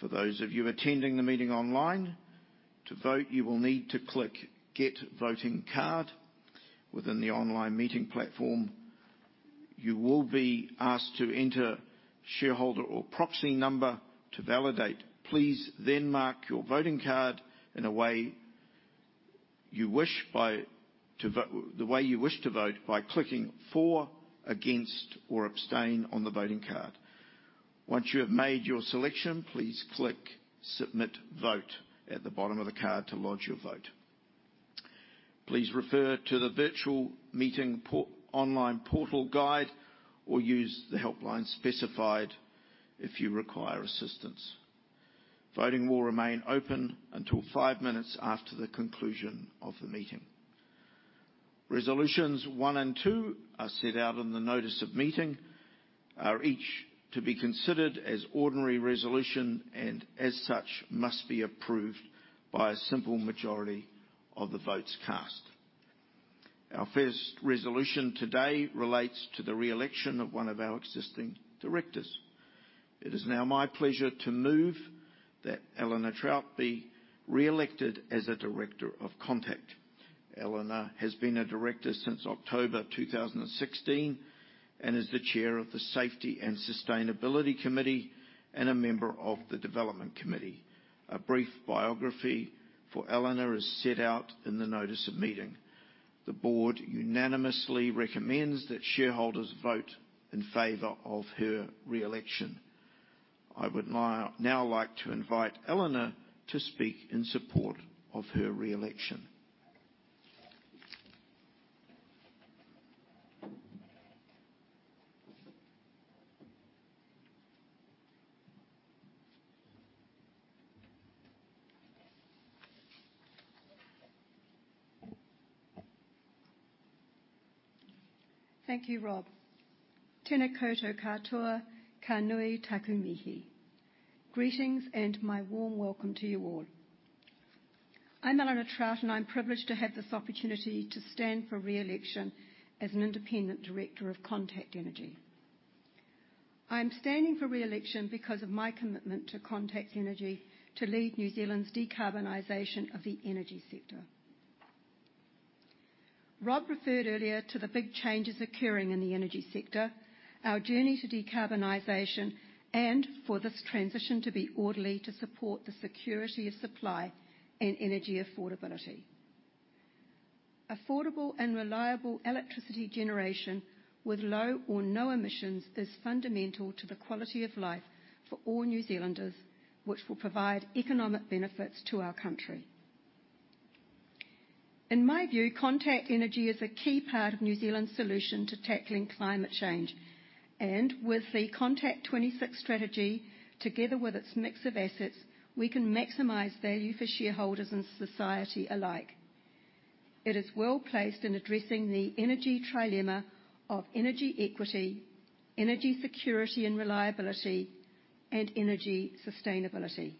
C: For those of you attending the meeting online, to vote, you will need to click Get Voting Card within the online meeting platform. You will be asked to enter shareholder or proxy number to validate. Please then mark your voting card the way you wish to vote by clicking for, against, or abstain on the voting card. Once you have made your selection, please click Submit Vote at the bottom of the card to lodge your vote. Please refer to the virtual meeting online portal guide or use the helpline specified if you require assistance. Voting will remain open until five minutes after the conclusion of the meeting. Resolutions one and two are set out in the notice of meeting, are each to be considered as ordinary resolution and as such must be approved by a simple majority of the votes cast. Our first resolution today relates to the re-election of one of our existing directors. It is now my pleasure to move that Elena Trout be re-elected as a director of Contact Energy. Elena Trout has been a director since October 2016 and is the Chair of the Safety and Sustainability Committee and a member of the Development Committee. A brief biography for Elena is set out in the notice of meeting. The board unanimously recommends that shareholders vote in favor of her re-election. I would now like to invite Elena to speak in support of her re-election.
I: Thank you, Rob. Greetings and my warm welcome to you all. I'm Elena Trout, and I'm privileged to have this opportunity to stand for re-election as an independent director of Contact Energy. I'm standing for re-election because of my commitment to Contact Energy to lead New Zealand's decarbonization of the energy sector. Rob referred earlier to the big changes occurring in the energy sector, our journey to decarbonization, and for this transition to be orderly to support the security of supply and energy affordability. Affordable and reliable electricity generation with low or no emissions is fundamental to the quality of life for all New Zealanders, which will provide economic benefits to our country. In my view, Contact Energy is a key part of New Zealand's solution to tackling climate change. With the Contact26 strategy, together with its mix of assets, we can maximize value for shareholders and society alike. It is well-placed in addressing the energy trilemma of energy equity, energy security and reliability, and energy sustainability.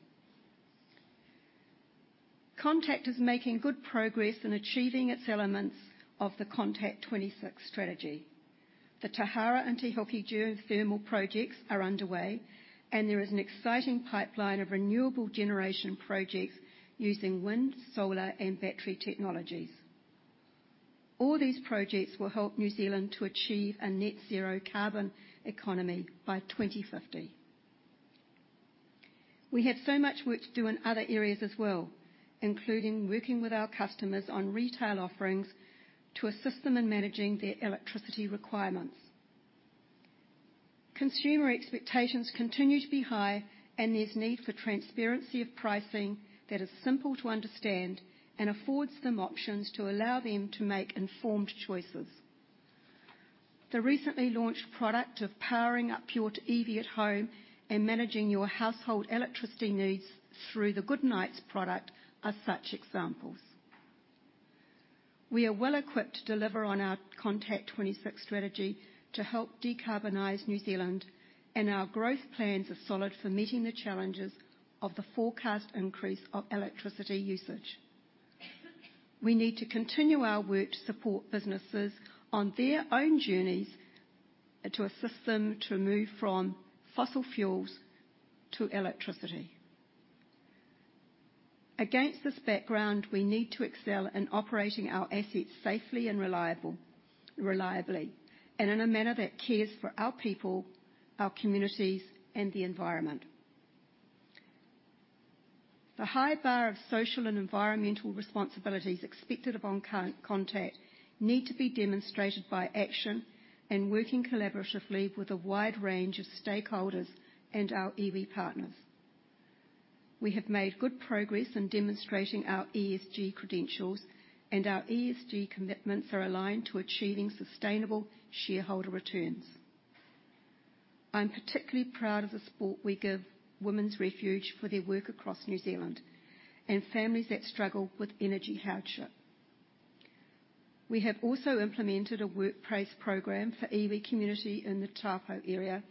I: Contact is making good progress in achieving its elements of the Contact26 strategy. The Tauhara and Te Huka geothermal projects are underway, and there is an exciting pipeline of renewable generation projects using wind, solar, and battery technologies. All these projects will help New Zealand to achieve a net zero carbon economy by 2050. We have so much work to do in other areas as well, including working with our customers on retail offerings to assist them in managing their electricity requirements. Consumer expectations continue to be high, and there's need for transparency of pricing that is simple to understand and affords them options to allow them to make informed choices. The recently launched product of powering up your EV at home and managing your household electricity needs through the Good Nights product are such examples. We are well equipped to deliver on our Contact26 strategy to help decarbonize New Zealand, and our growth plans are solid for meeting the challenges of the forecast increase of electricity usage. We need to continue our work to support businesses on their own journeys and to assist them to move from fossil fuels to electricity. Against this background, we need to excel in operating our assets safely and reliably, and in a manner that cares for our people, our communities, and the environment. The high bar of social and environmental responsibilities expected of Contact Energy need to be demonstrated by action and working collaboratively with a wide range of stakeholders and our iwi partners. We have made good progress in demonstrating our ESG credentials, and our ESG commitments are aligned to achieving sustainable shareholder returns. I'm particularly proud of the support we give Women's Refuge for their work across New Zealand and families that struggle with energy hardship. We have also implemented a workplace program for iwi community in the Taupō area,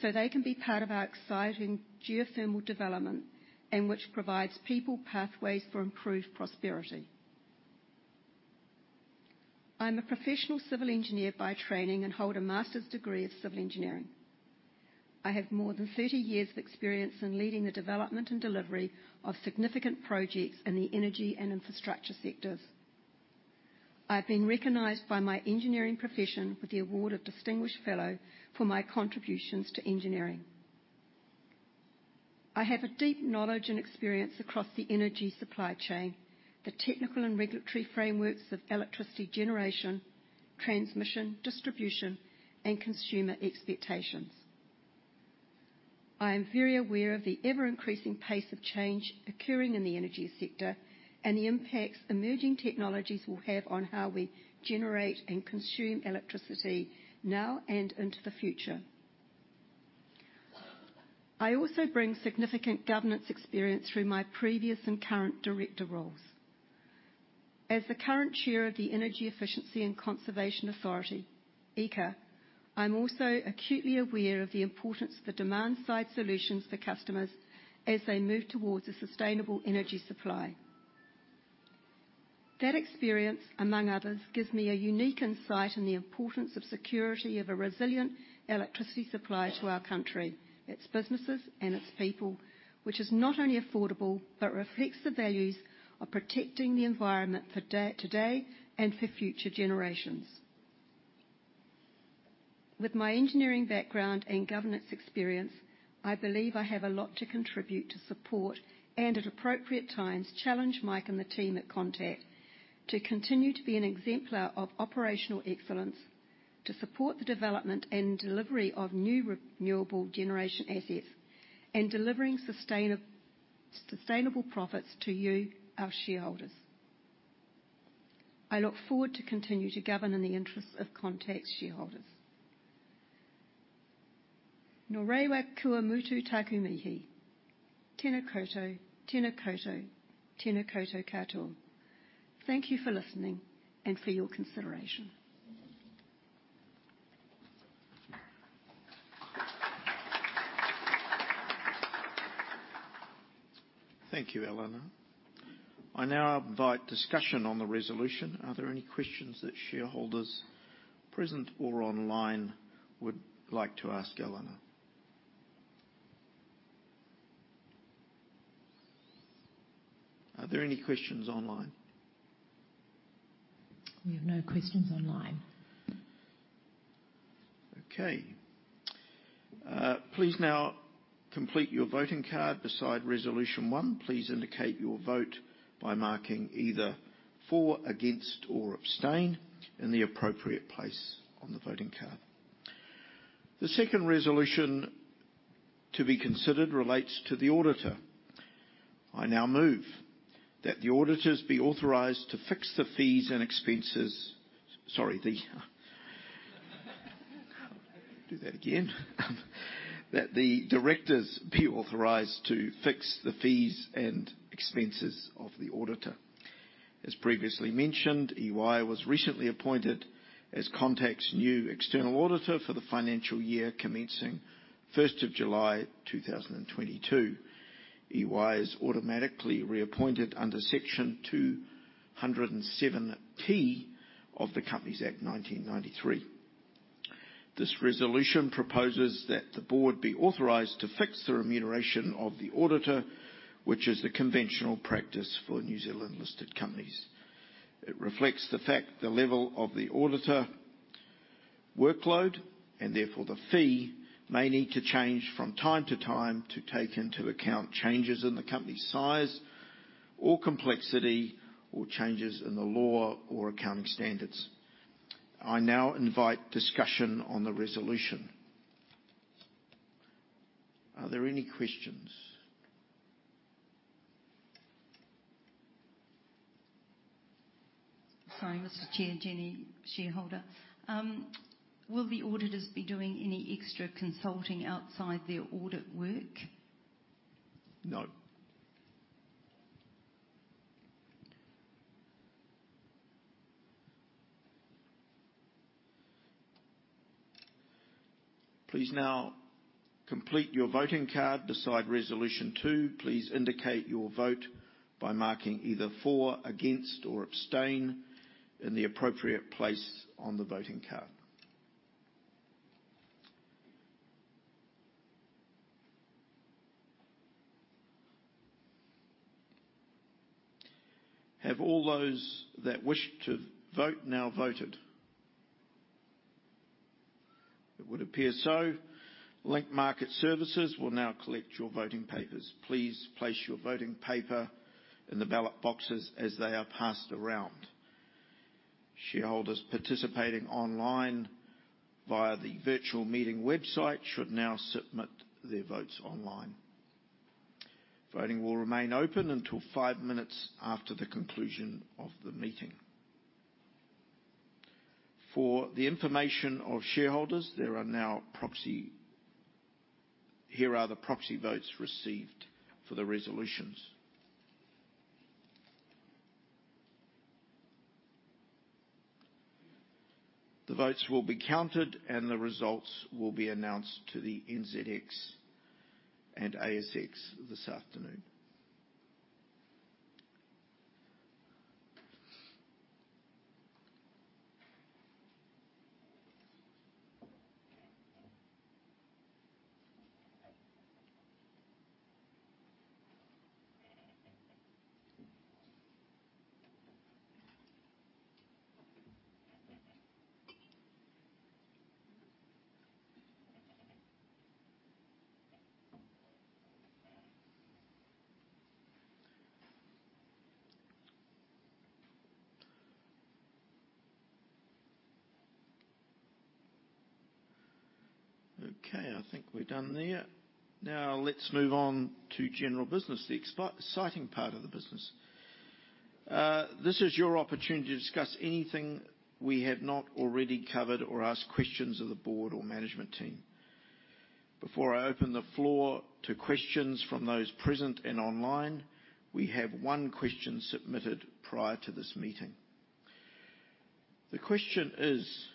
I: so they can be part of our exciting geothermal development and which provides people pathways for improved prosperity. I'm a professional civil engineer by training and hold a master's degree in civil engineering. I have more than 30 years of experience in leading the development and delivery of significant projects in the energy and infrastructure sectors. I've been recognized by my engineering profession with the award of Distinguished Fellow for my contributions to engineering. I have a deep knowledge and experience across the energy supply chain, the technical and regulatory frameworks of electricity generation, transmission, distribution, and consumer expectations. I am very aware of the ever-increasing pace of change occurring in the energy sector and the impacts emerging technologies will have on how we generate and consume electricity now and into the future. I also bring significant governance experience through my previous and current director roles. As the current chair of the Energy Efficiency and Conservation Authority, EECA, I'm also acutely aware of the importance of the demand-side solutions to customers as they move towards a sustainable energy supply. That experience, among others, gives me a unique insight in the importance of security of a resilient electricity supply to our country, its businesses, and its people, which is not only affordable, but reflects the values of protecting the environment for today and for future generations. With my engineering background and governance experience, I believe I have a lot to contribute to support and, at appropriate times, challenge Mike and the team at Contact to continue to be an exemplar of operational excellence to support the development and delivery of new renewable generation assets and delivering sustainable profits to you, our shareholders. I look forward to continue to govern in the interests of Contact shareholders. Nō reira, kua mutu taku mihi. Tēnā koutou, tēnā koutou, tēnā koutou katoa. Thank you for listening and for your consideration.
C: Thank you, Elena. I now invite discussion on the resolution. Are there any questions that shareholders present or online would like to ask Elena? Are there any questions online?
A: We have no questions online.
C: Okay. Please now complete your voting card beside resolution one. Please indicate your vote by marking either for, against, or abstain in the appropriate place on the voting card. The second resolution to be considered relates to the auditor. I now move that the directors be authorized to fix the fees and expenses of the auditor. As previously mentioned, EY was recently appointed as Contact's new external auditor for the financial year commencing July 1, 2022. EY is automatically reappointed under Section 207T of the Companies Act 1993. This resolution proposes that the board be authorized to fix the remuneration of the auditor, which is the conventional practice for New Zealand listed companies. It reflects the fact the level of the auditor workload, and therefore the fee, may need to change from time to time to take into account changes in the company's size or complexity or changes in the law or accounting standards. I now invite discussion on the resolution. Are there any questions?
G: Sorry, Mr. Chair. Jenny, shareholder. Will the auditors be doing any extra consulting outside their audit work?
C: Now. Please now complete your voting card beside Resolution two. Please indicate your vote by marking either for, against, or abstain in the appropriate place on the voting card. Have all those that wish to vote now voted? It would appear so. Link Market Services will now collect your voting papers. Please place your voting paper in the ballot boxes as they are passed around. Shareholders participating online via the virtual meeting website should now submit their votes online. Voting will remain open until five minutes after the conclusion of the meeting. For the information of shareholders, there are now proxy. Here are the proxy votes received for the resolutions. The votes will be counted, and the results will be announced to the NZX and ASX this afternoon. Okay, I think we're done there. Now let's move on to general business, the exciting part of the business. This is your opportunity to discuss anything we have not already covered or ask questions of the board or management team. Before I open the floor to questions from those present and online, we have one question submitted prior to this meeting. The question is: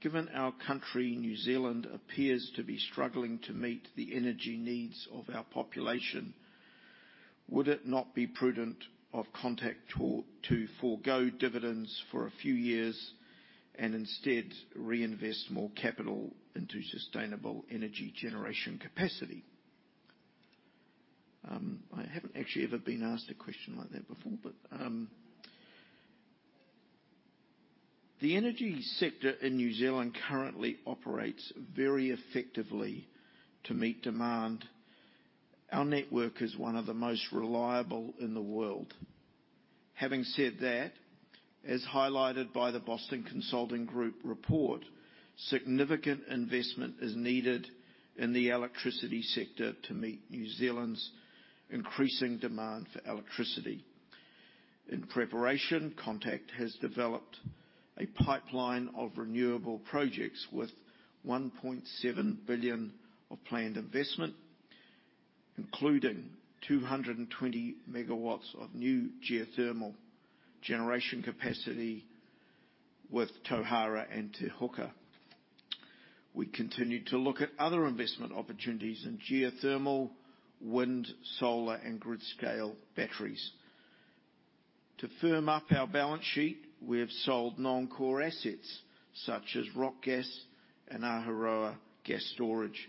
C: Given our country, New Zealand, appears to be struggling to meet the energy needs of our population, would it not be prudent of Contact to forgo dividends for a few years and instead reinvest more capital into sustainable energy generation capacity? I haven't actually ever been asked a question like that before, but. The energy sector in New Zealand currently operates very effectively to meet demand. Our network is one of the most reliable in the world. Having said that, as highlighted by the Boston Consulting Group report, significant investment is needed in the electricity sector to meet New Zealand's increasing demand for electricity. In preparation, Contact has developed a pipeline of renewable projects with 1.7 billion of planned investment, including 220 MW of new geothermal generation capacity with Tauhara and Te Huka. We continue to look at other investment opportunities in geothermal, wind, solar, and grid-scale batteries. To firm up our balance sheet, we have sold non-core assets such as Rockgas and Ahuroa Gas Storage,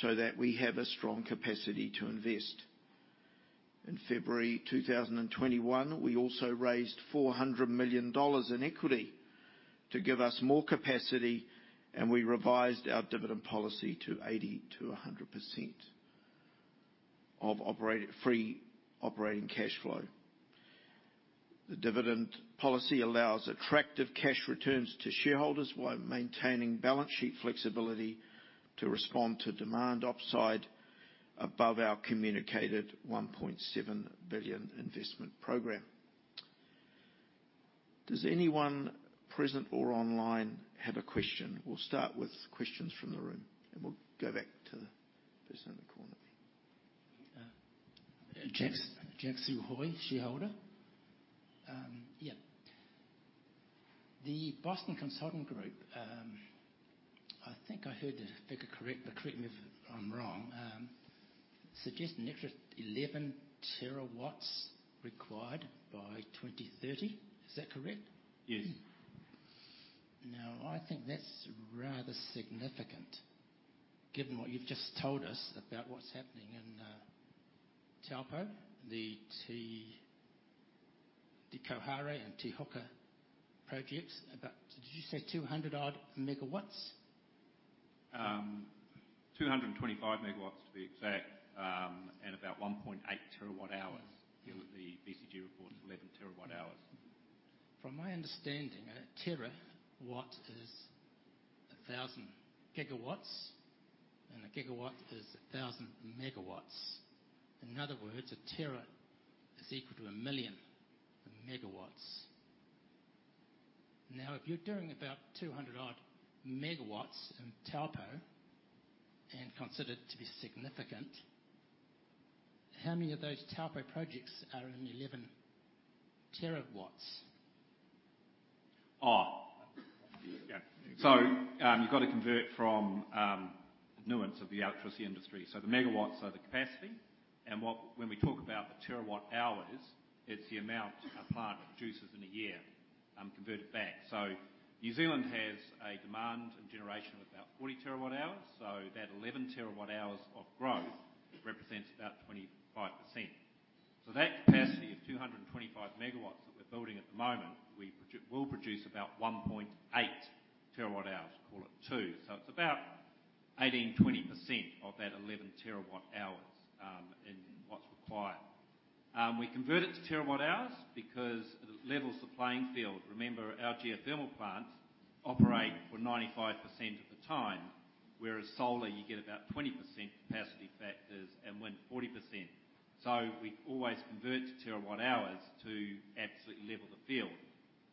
C: so that we have a strong capacity to invest. In February 2021, we also raised 400 million dollars in equity to give us more capacity, and we revised our dividend policy to 80%-100% of operating free cash flow. The dividend policy allows attractive cash returns to shareholders while maintaining balance sheet flexibility to respond to demand upside above our communicated 1.7 billion investment program. Does anyone present or online have a question? We'll start with questions from the room, and we'll go back to the person in the corner there.
H: James Su Hoy, shareholder. The Boston Consulting Group, I think I heard Rebecca correct, but correct me if I'm wrong, suggest an extra 11 TW required by 2030. Is that correct?
C: Yes.
H: Now, I think that's rather significant given what you've just told us about what's happening in Taupō, the Tauhara and Te Huka projects. Did you say about 200-odd MW?
E: 225 MW, to be exact. About 1.8 TWh. The BCG report is 11 TWh.
H: From my understanding, a TW is 1,000 gigawatts, and a GW is 1,000 MW. In other words, a tera is equal to 1 million MW. Now, if you're doing about 200-odd MW in Taupō and consider it to be significant, how many of those Taupō projects are in 11 TW?
E: You've got to convert from the nuance of the electricity industry. The MG are the capacity and when we talk about the TWh, it's the amount a plant produces in a year, converted back. New Zealand has a demand and generation of about 40 TWh. That 11 TWh of growth represents about 25%. That capacity of 225 MW that we're building at the moment will produce about 1.8 TWh, call it two. It's about 18-20% of that 11 TWh in what's required. We convert it to TWh because it levels the playing field. Remember, our geothermal plants operate for 95% of the time, whereas solar you get about 20% capacity factors and wind 40%. We always convert to TWh to absolutely level the field.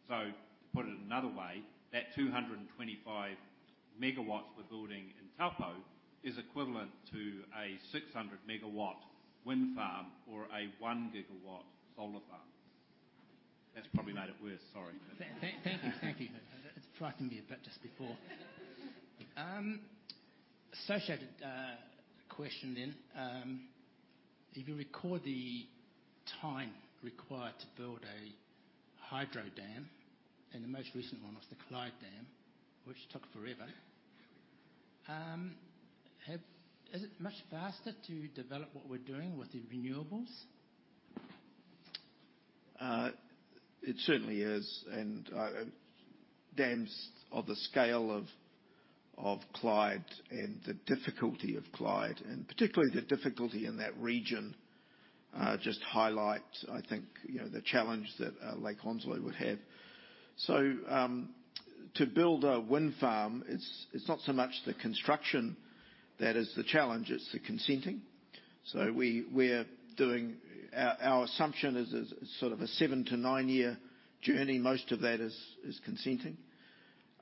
E: To put it another way, that 225 MW we're building in Taupō is equivalent to a 600 MW wind farm or a 1 GW solar farm. That's probably made it worse. Sorry.
H: Thank you. Thank you. It frightened me a bit just before. An associated question then. If you recall the time required to build a hydro dam, and the most recent one was the Clyde Dam, which took forever. Is it much faster to develop what we're doing with the renewables?
C: It certainly is. Dams of the scale of Clyde and the difficulty of Clyde, and particularly the difficulty in that region just highlight, I think, you know, the challenge that Lake Onslow would have. To build a wind farm, it's not so much the construction that is the challenge, it's the consenting. Our assumption is sort of a seven to nine year journey. Most of that is consenting.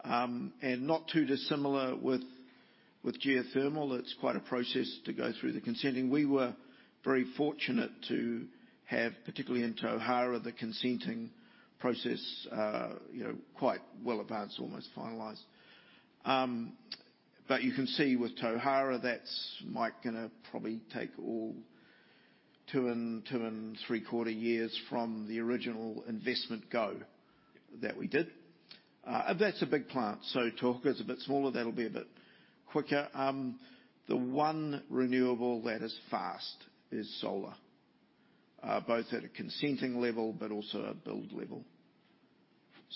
C: Not too dissimilar with geothermal. It's quite a process to go through the consenting. We were very fortunate to have, particularly in Tauhara, the consenting process quite well advanced, almost finalized. You can see with Tauhara, that might take probably 2.75 years from the original investment go that we did. That's a big plant, so Tauhara is a bit smaller, that'll be a bit quicker. The one renewable that is fast is solar. Both at a consenting level but also a build level.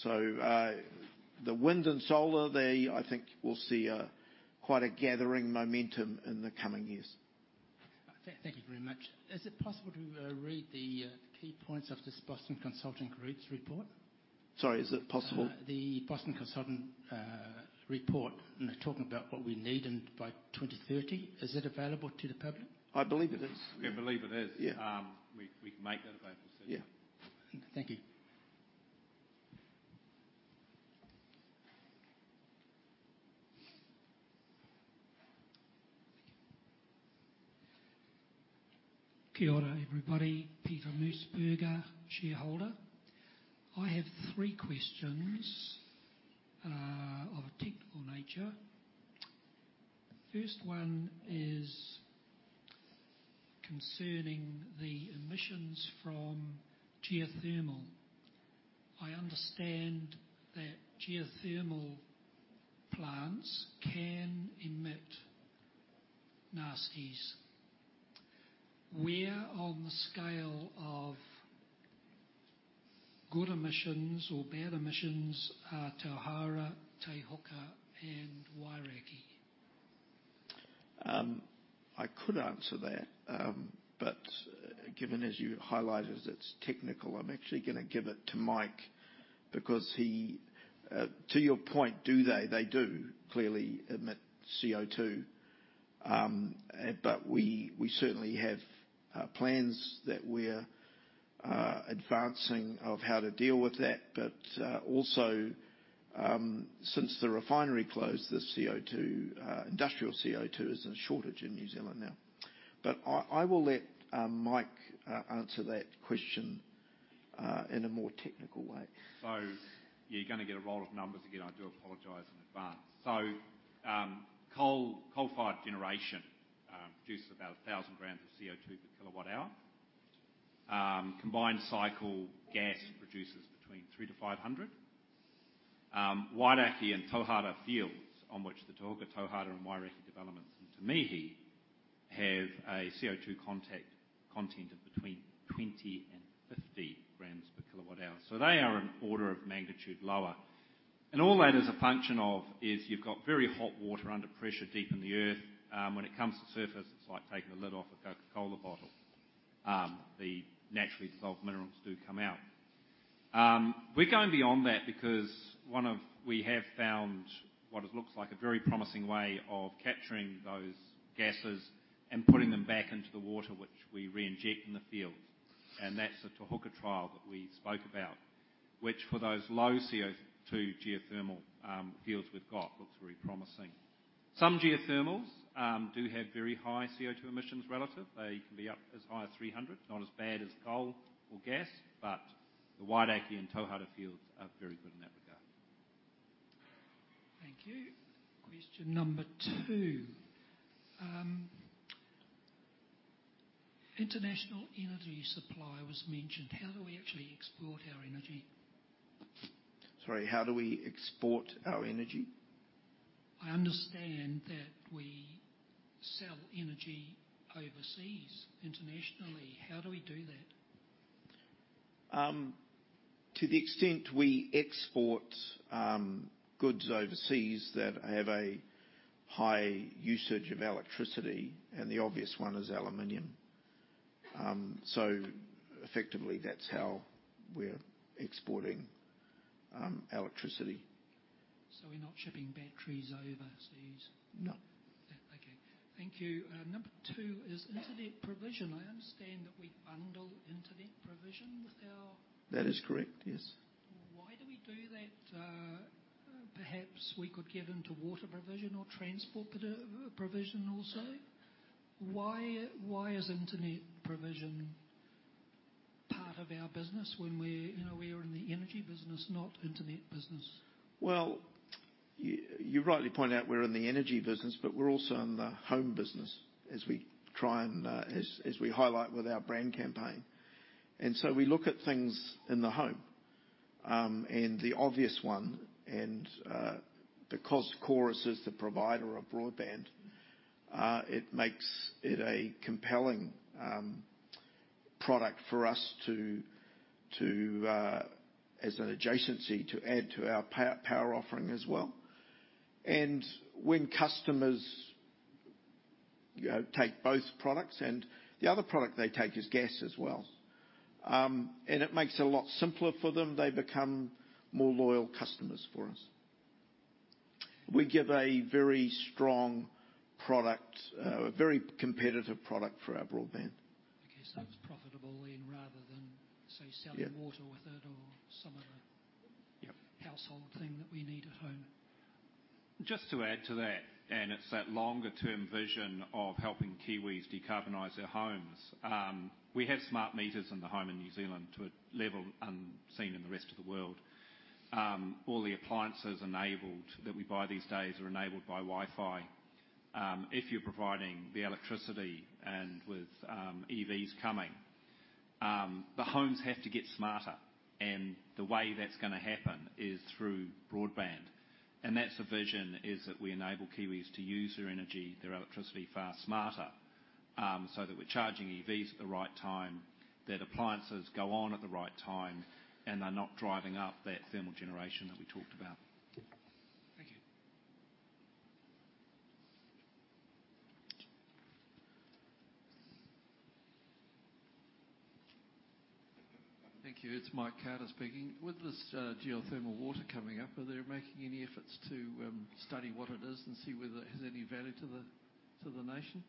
C: The wind and solar, I think we'll see quite a gathering momentum in the coming years.
H: Thank you very much. Is it possible to read the key points of this Boston Consulting Group's report?
C: Sorry, is it possible?
H: The Boston Consulting Group report, and they're talking about what we need and by 2030. Is it available to the public?
C: I believe it is.
E: We believe it is.
C: Yeah.
E: We can make that available to you.
C: Yeah.
H: Thank you.
J: Kia ora, everybody. Peter Musbrugger, shareholder. I have three questions of a technical nature. First one is concerning the emissions from geothermal. I understand that geothermal plants can emit nasties. Where on the scale of good emissions or bad emissions are Tauhara, Te Huka and Wairakei?
C: I could answer that. Given, as you highlighted, it's technical, I'm actually gonna give it to Mike because he, to your point, do they? They do clearly emit CO₂. We certainly have plans that we're advancing of how to deal with that. Also, since the refinery closed, the CO₂, industrial CO₂ is in shortage in New Zealand now. I will let Mike answer that question in a more technical way.
E: You're gonna get a roll of numbers again, I do apologize in advance. Coal, coal-fired generation, produces about 1,000 grams of CO2 per kWh. Combined cycle gas produces between 300-500. Wairakei and Tauhara fields on which the Tauhara and Wairakei developments and Te Mihi have a CO2 content of between 20-50 grams per kWh. They are an order of magnitude lower. All that is a function of is you've got very hot water under pressure deep in the earth. When it comes to surface, it's like taking the lid off a Coca-Cola bottle. The naturally dissolved minerals do come out. We're going beyond that because we have found what looks like a very promising way of capturing those gases and putting them back into the water which we reinject in the field. That's the Tauhara trial that we spoke about, which for those low CO2 geothermal fields we've got looks very promising. Some geothermals do have very high CO2 emissions relatively. They can be up as high as 300, not as bad as coal or gas. The Wairakei and Tauhara fields are very good in that regard.
J: Thank you. Question number two. International energy supply was mentioned. How do we actually export our energy?
C: Sorry, how do we export our energy?
J: I understand that we sell energy overseas, internationally. How do we do that?
C: To the extent we export goods overseas that have a high usage of electricity, and the obvious one is aluminum. Effectively, that's how we're exporting electricity.
J: We're not shipping batteries overseas?
C: No.
J: Yeah, okay. Thank you. Number two is internet provision. I understand that we bundle internet provision with our-
C: That is correct, yes.
J: Why do we do that? Perhaps we could get into water provision or transport provision also. Why is internet provision part of our business when we're, you know, we are in the energy business, not internet business?
C: Well, you rightly point out we're in the energy business, but we're also in the home business as we try and as we highlight with our brand campaign. We look at things in the home, and the obvious one and because Chorus is the provider of broadband, it makes it a compelling product for us to as an adjacency to add to our power offering as well. When customers, you know, take both products and the other product they take is gas as well. It makes it a lot simpler for them. They become more loyal customers for us. We give a very strong product, a very competitive product for our broadband.
J: Okay. It's profitable then, rather than, say, selling water with it or some other.
C: Yeah.
J: household thing that we need at home.
E: Just to add to that, it's that longer-term vision of helping Kiwis decarbonize their homes. We have smart meters in the home in New Zealand to a level unseen in the rest of the world. All the appliances enabled that we buy these days are enabled by Wi-Fi. If you're providing the electricity and with EVs coming, the homes have to get smarter and the way that's gonna happen is through broadband. That's the vision, is that we enable Kiwis to use their energy, their electricity, far smarter, so that we're charging EVs at the right time, that appliances go on at the right time, and they're not driving up that thermal generation that we talked about.
J: Thank you.
K: Thank you. It's Mike Carter speaking. With this, geothermal water coming up, are they making any efforts to, study what it is and see whether it has any value to the nation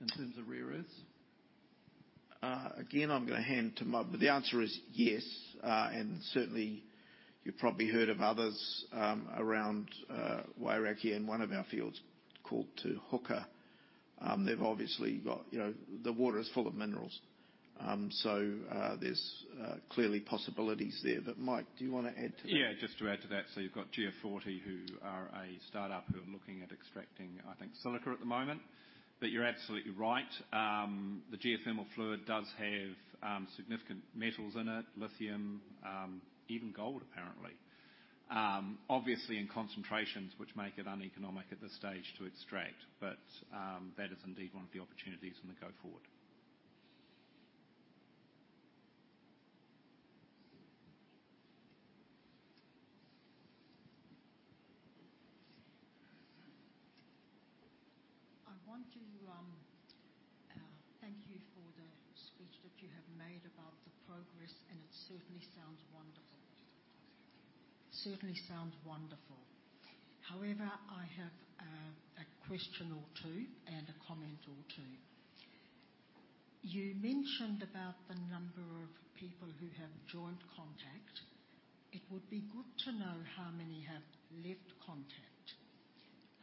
K: in terms of rare earths?
C: Again, I'm gonna hand to Mike. The answer is yes. And certainly, you've probably heard of others around Wairakei in one of our fields called Te Huka. They've obviously got, you know. The water is full of minerals. So, there's clearly possibilities there. Mike, do you wanna add to that?
E: Yeah, just to add to that. You've got Geo40, who are a startup who are looking at extracting, I think, silica at the moment. You're absolutely right. The geothermal fluid does have significant metals in it, lithium, even gold, apparently. Obviously in concentrations which make it uneconomic at this stage to extract. That is indeed one of the opportunities on the go forward.
L: I want to thank you for the speech that you have made about the progress, and it certainly sounds wonderful. Certainly sounds wonderful. However, I have a question or two, and a comment or two. You mentioned about the number of people who have joined Contact. It would be good to know how many have left Contact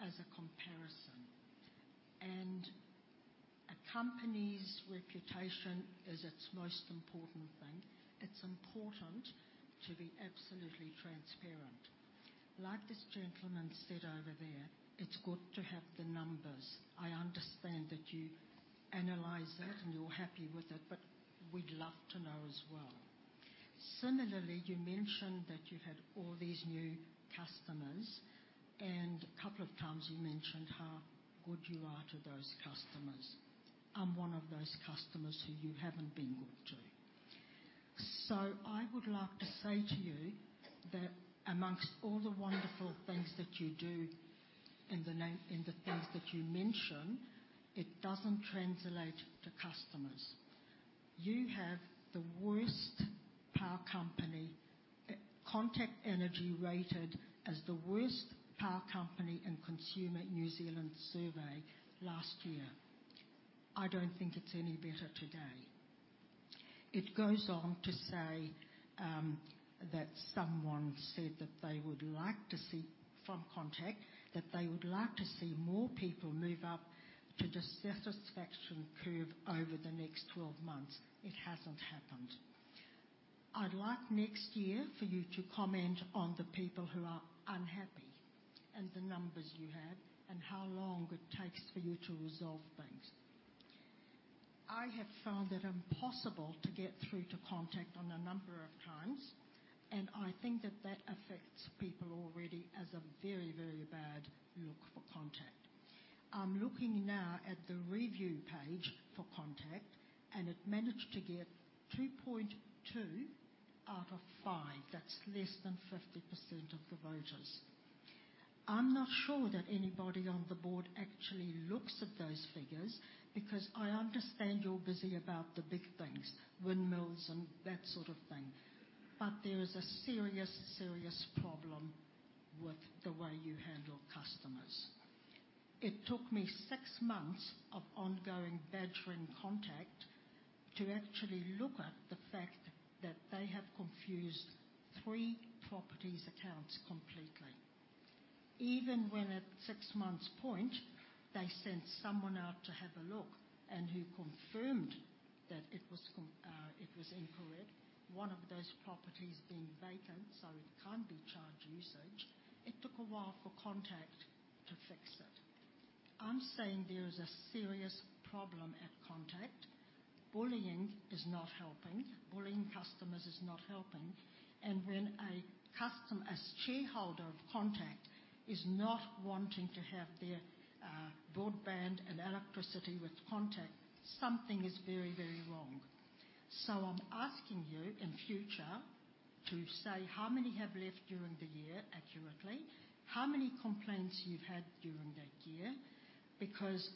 L: as a comparison. A company's reputation is its most important thing. It's important to be absolutely transparent. Like this gentleman said over there, it's good to have the numbers. I understand that you analyze it and you're happy with it, but we'd love to know as well. Similarly, you mentioned that you had all these new customers, and a couple of times you mentioned how good you are to those customers. I'm one of those customers who you haven't been good to. I would like to say to you that among all the wonderful things that you do in the things that you mention, it doesn't translate to customers. You have the worst power company. Contact Energy rated as the worst power company in Consumer NZ survey last year. I don't think it's any better today. It goes on to say, that someone said that they would like to see, from Contact, more people move up to the satisfaction curve over the next 12 months. It hasn't happened. I'd like next year for you to comment on the people who are unhappy and the numbers you have and how long it takes for you to resolve things. I have found it impossible to get through to Contact on a number of times, and I think that affects people already as a very, very bad look for Contact. I'm looking now at the review page for Contact, and it managed to get 2.2 out of five. That's less than 50% of the voters. I'm not sure that anybody on the board actually looks at those figures because I understand you're busy about the big things, windmills and that sort of thing. There is a serious problem with the way you handle customers. It took me six months of ongoing badgering Contact to actually look at the fact that they have confused three properties' accounts completely. Even when, at six months' point, they sent someone out to have a look and who confirmed that it was con..it was incorrect, one of those properties being vacant, so it can't be charged usage. It took a while for Contact to fix it. I'm saying there is a serious problem at Contact. Bullying is not helping. Bullying customers is not helping. When a customer, a shareholder of Contact is not wanting to have their broadband and electricity with Contact, something is very, very wrong. I'm asking you in future to say how many have left during the year accurately, how many complaints you've had during that year, because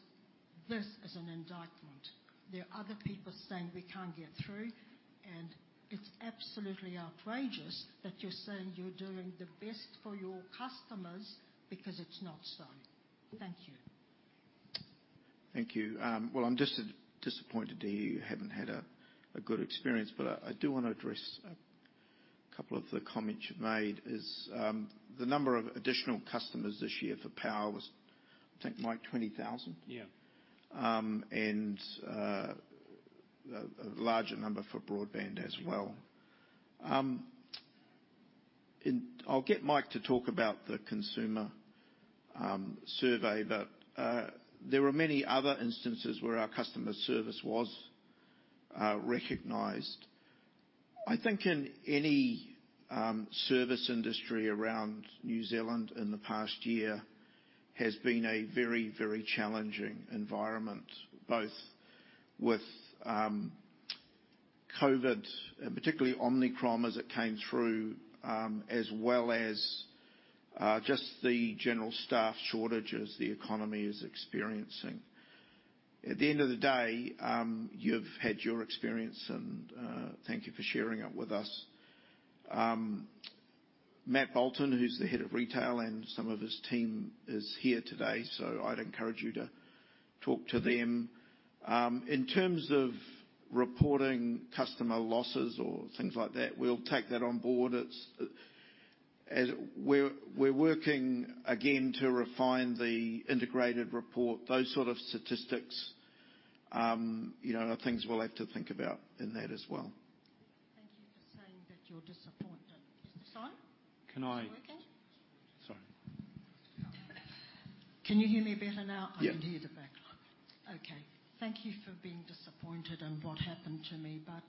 L: this is an indictment. There are other people saying we can't get through, and it's absolutely outrageous that you're saying you're doing the best for your customers because it's not so. Thank you.
C: Thank you. Well, I'm just disappointed that you haven't had a good experience, but I do wanna address a couple of the comments you've made. The number of additional customers this year for power was, I think, Mike, 20,000?
E: Yeah.
C: A larger number for broadband as well. I'll get Mike to talk about the consumer survey, but there are many other instances where our customer service was recognized. I think in any service industry around New Zealand in the past year has been a very, very challenging environment, both with COVID, particularly Omicron as it came through, as well as just the general staff shortages the economy is experiencing. At the end of the day, you've had your experience, and thank you for sharing it with us. Matt Bolton, who's the head of retail and some of his team is here today, so I'd encourage you to talk to them. In terms of reporting customer losses or things like that, we'll take that on board. We're working again to refine the integrated report. Those sort of statistics, you know, are things we'll have to think about in that as well.
L: Thank you for saying that you're disappointed. Simon?
M: Can I-
L: Is it working?
M: Sorry.
L: Can you hear me better now?
C: Yeah.
L: I can hear the backlog. Okay. Thank you for being disappointed in what happened to me, but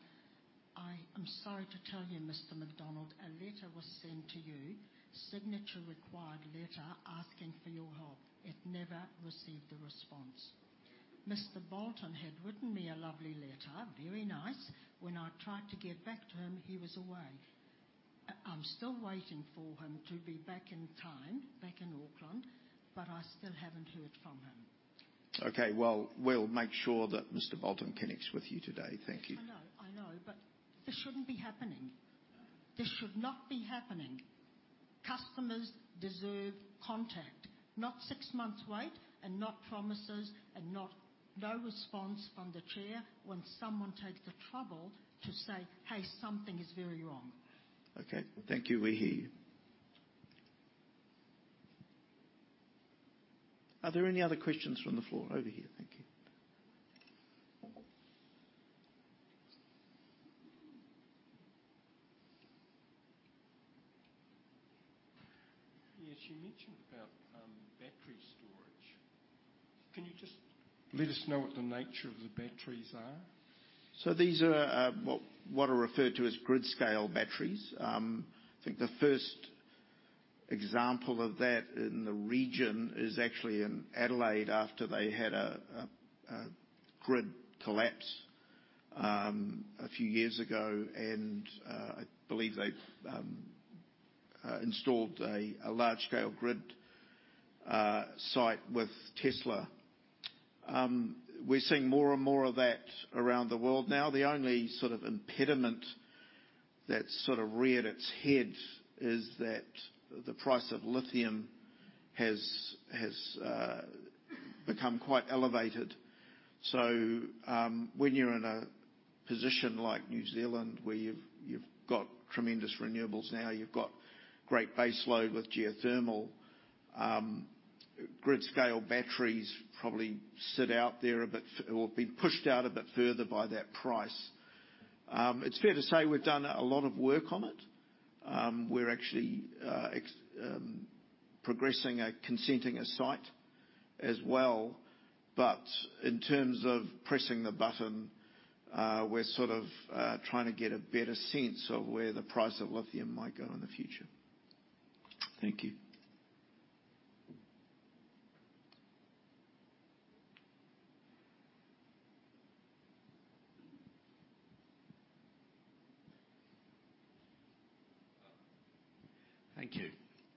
L: I am sorry to tell you, Mr. McDonald, a letter was sent to you, signature required letter, asking for your help. It never received a response. Mr. Bolton had written me a lovely letter, very nice. When I tried to get back to him, he was away. I'm still waiting for him to be back in town, back in Auckland, but I still haven't heard from him.
C: Okay. Well, we'll make sure that Mr. Bolton connects with you today. Thank you.
L: I know. This shouldn't be happening. This should not be happening. Customers deserve Contact, not six months wait and not promises and not no response from the chair when someone takes the trouble to say, "Hey, something is very wrong.
C: Okay. Thank you. We hear you. Are there any other questions from the floor? Over here. Thank you.
M: Yes. You mentioned about, battery storage. Can you just let us know what the nature of the batteries are?
C: These are what are referred to as grid-scale batteries. I think the first example of that in the region is actually in Adelaide after they had a grid collapse a few years ago, and I believe they've installed a large-scale grid site with Tesla. We're seeing more and more of that around the world now. The only sort of impediment. That's sort of reared its head is that the price of lithium has become quite elevated. When you're in a position like New Zealand where you've got tremendous renewables now, you've got great baseload with geothermal, grid-scale batteries probably sit out there a bit or been pushed out a bit further by that price. It's fair to say we've done a lot of work on it. We're actually progressing consenting a site as well. In terms of pressing the button, we're sort of trying to get a better sense of where the price of lithium might go in the future.
M: Thank you.
N: Thank you.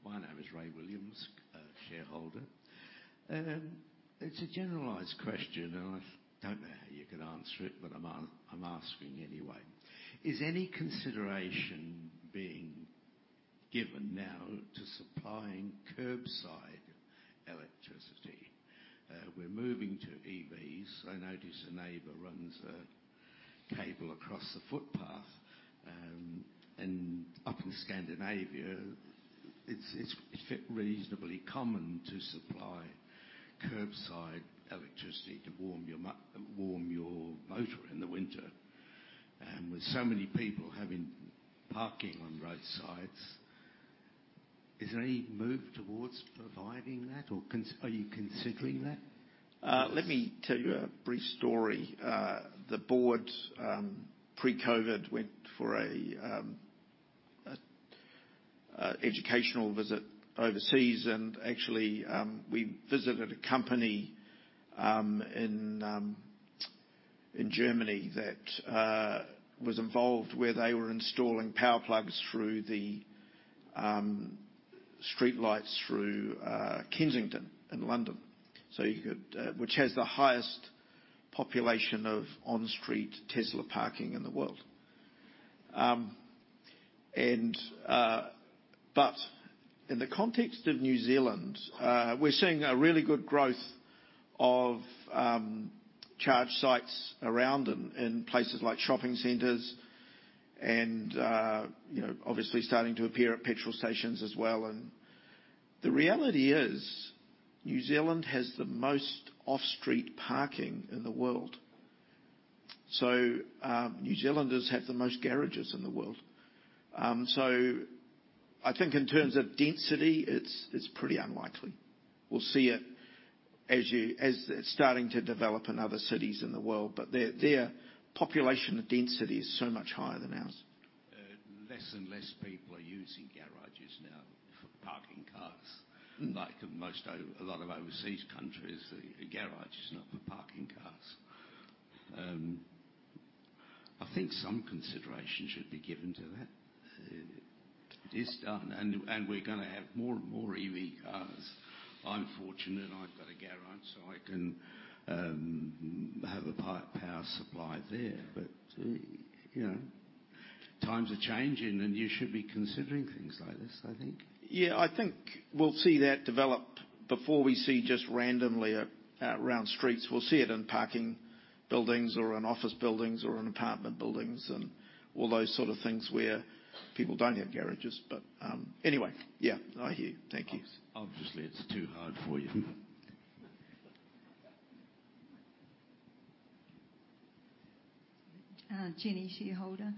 N: My name is Ray Williams, shareholder. It's a generalized question, and I don't know how you can answer it, but I'm asking anyway. Is any consideration being given now to supplying curbside electricity? We're moving to EVs. I notice a neighbor runs a cable across the footpath, and up in Scandinavia it's reasonably common to supply curbside electricity to warm your motor in the winter. With so many people having parking on roadsides, is there any move towards providing that or are you considering that?
C: Let me tell you a brief story. The board pre-COVID went for an educational visit overseas and actually we visited a company in Germany that was involved where they were installing power plugs through the streetlights through Kensington in London, which has the highest population of on-street Tesla parking in the world. But in the context of New Zealand, we're seeing a really good growth of charge sites around in places like shopping centers and you know obviously starting to appear at petrol stations as well. The reality is, New Zealand has the most off-street parking in the world. New Zealanders have the most garages in the world. I think in terms of density, it's pretty unlikely. We'll see it as it's starting to develop in other cities in the world, but their population density is so much higher than ours.
N: Less and less people are using garages now for parking cars. Like in a lot of overseas countries, the garage is not for parking cars. I think some consideration should be given to that. It is done, and we're gonna have more and more EV cars. I'm fortunate I've got a garage so I can have a power supply there. But you know, times are changing and you should be considering things like this, I think.
C: Yeah. I think we'll see that develop before we see just randomly around streets. We'll see it in parking buildings or in office buildings or in apartment buildings and all those sort of things where people don't have garages. Anyway. Yeah, I hear you. Thank you.
N: Obviously, it's too hard for you.
G: Jenny, shareholder.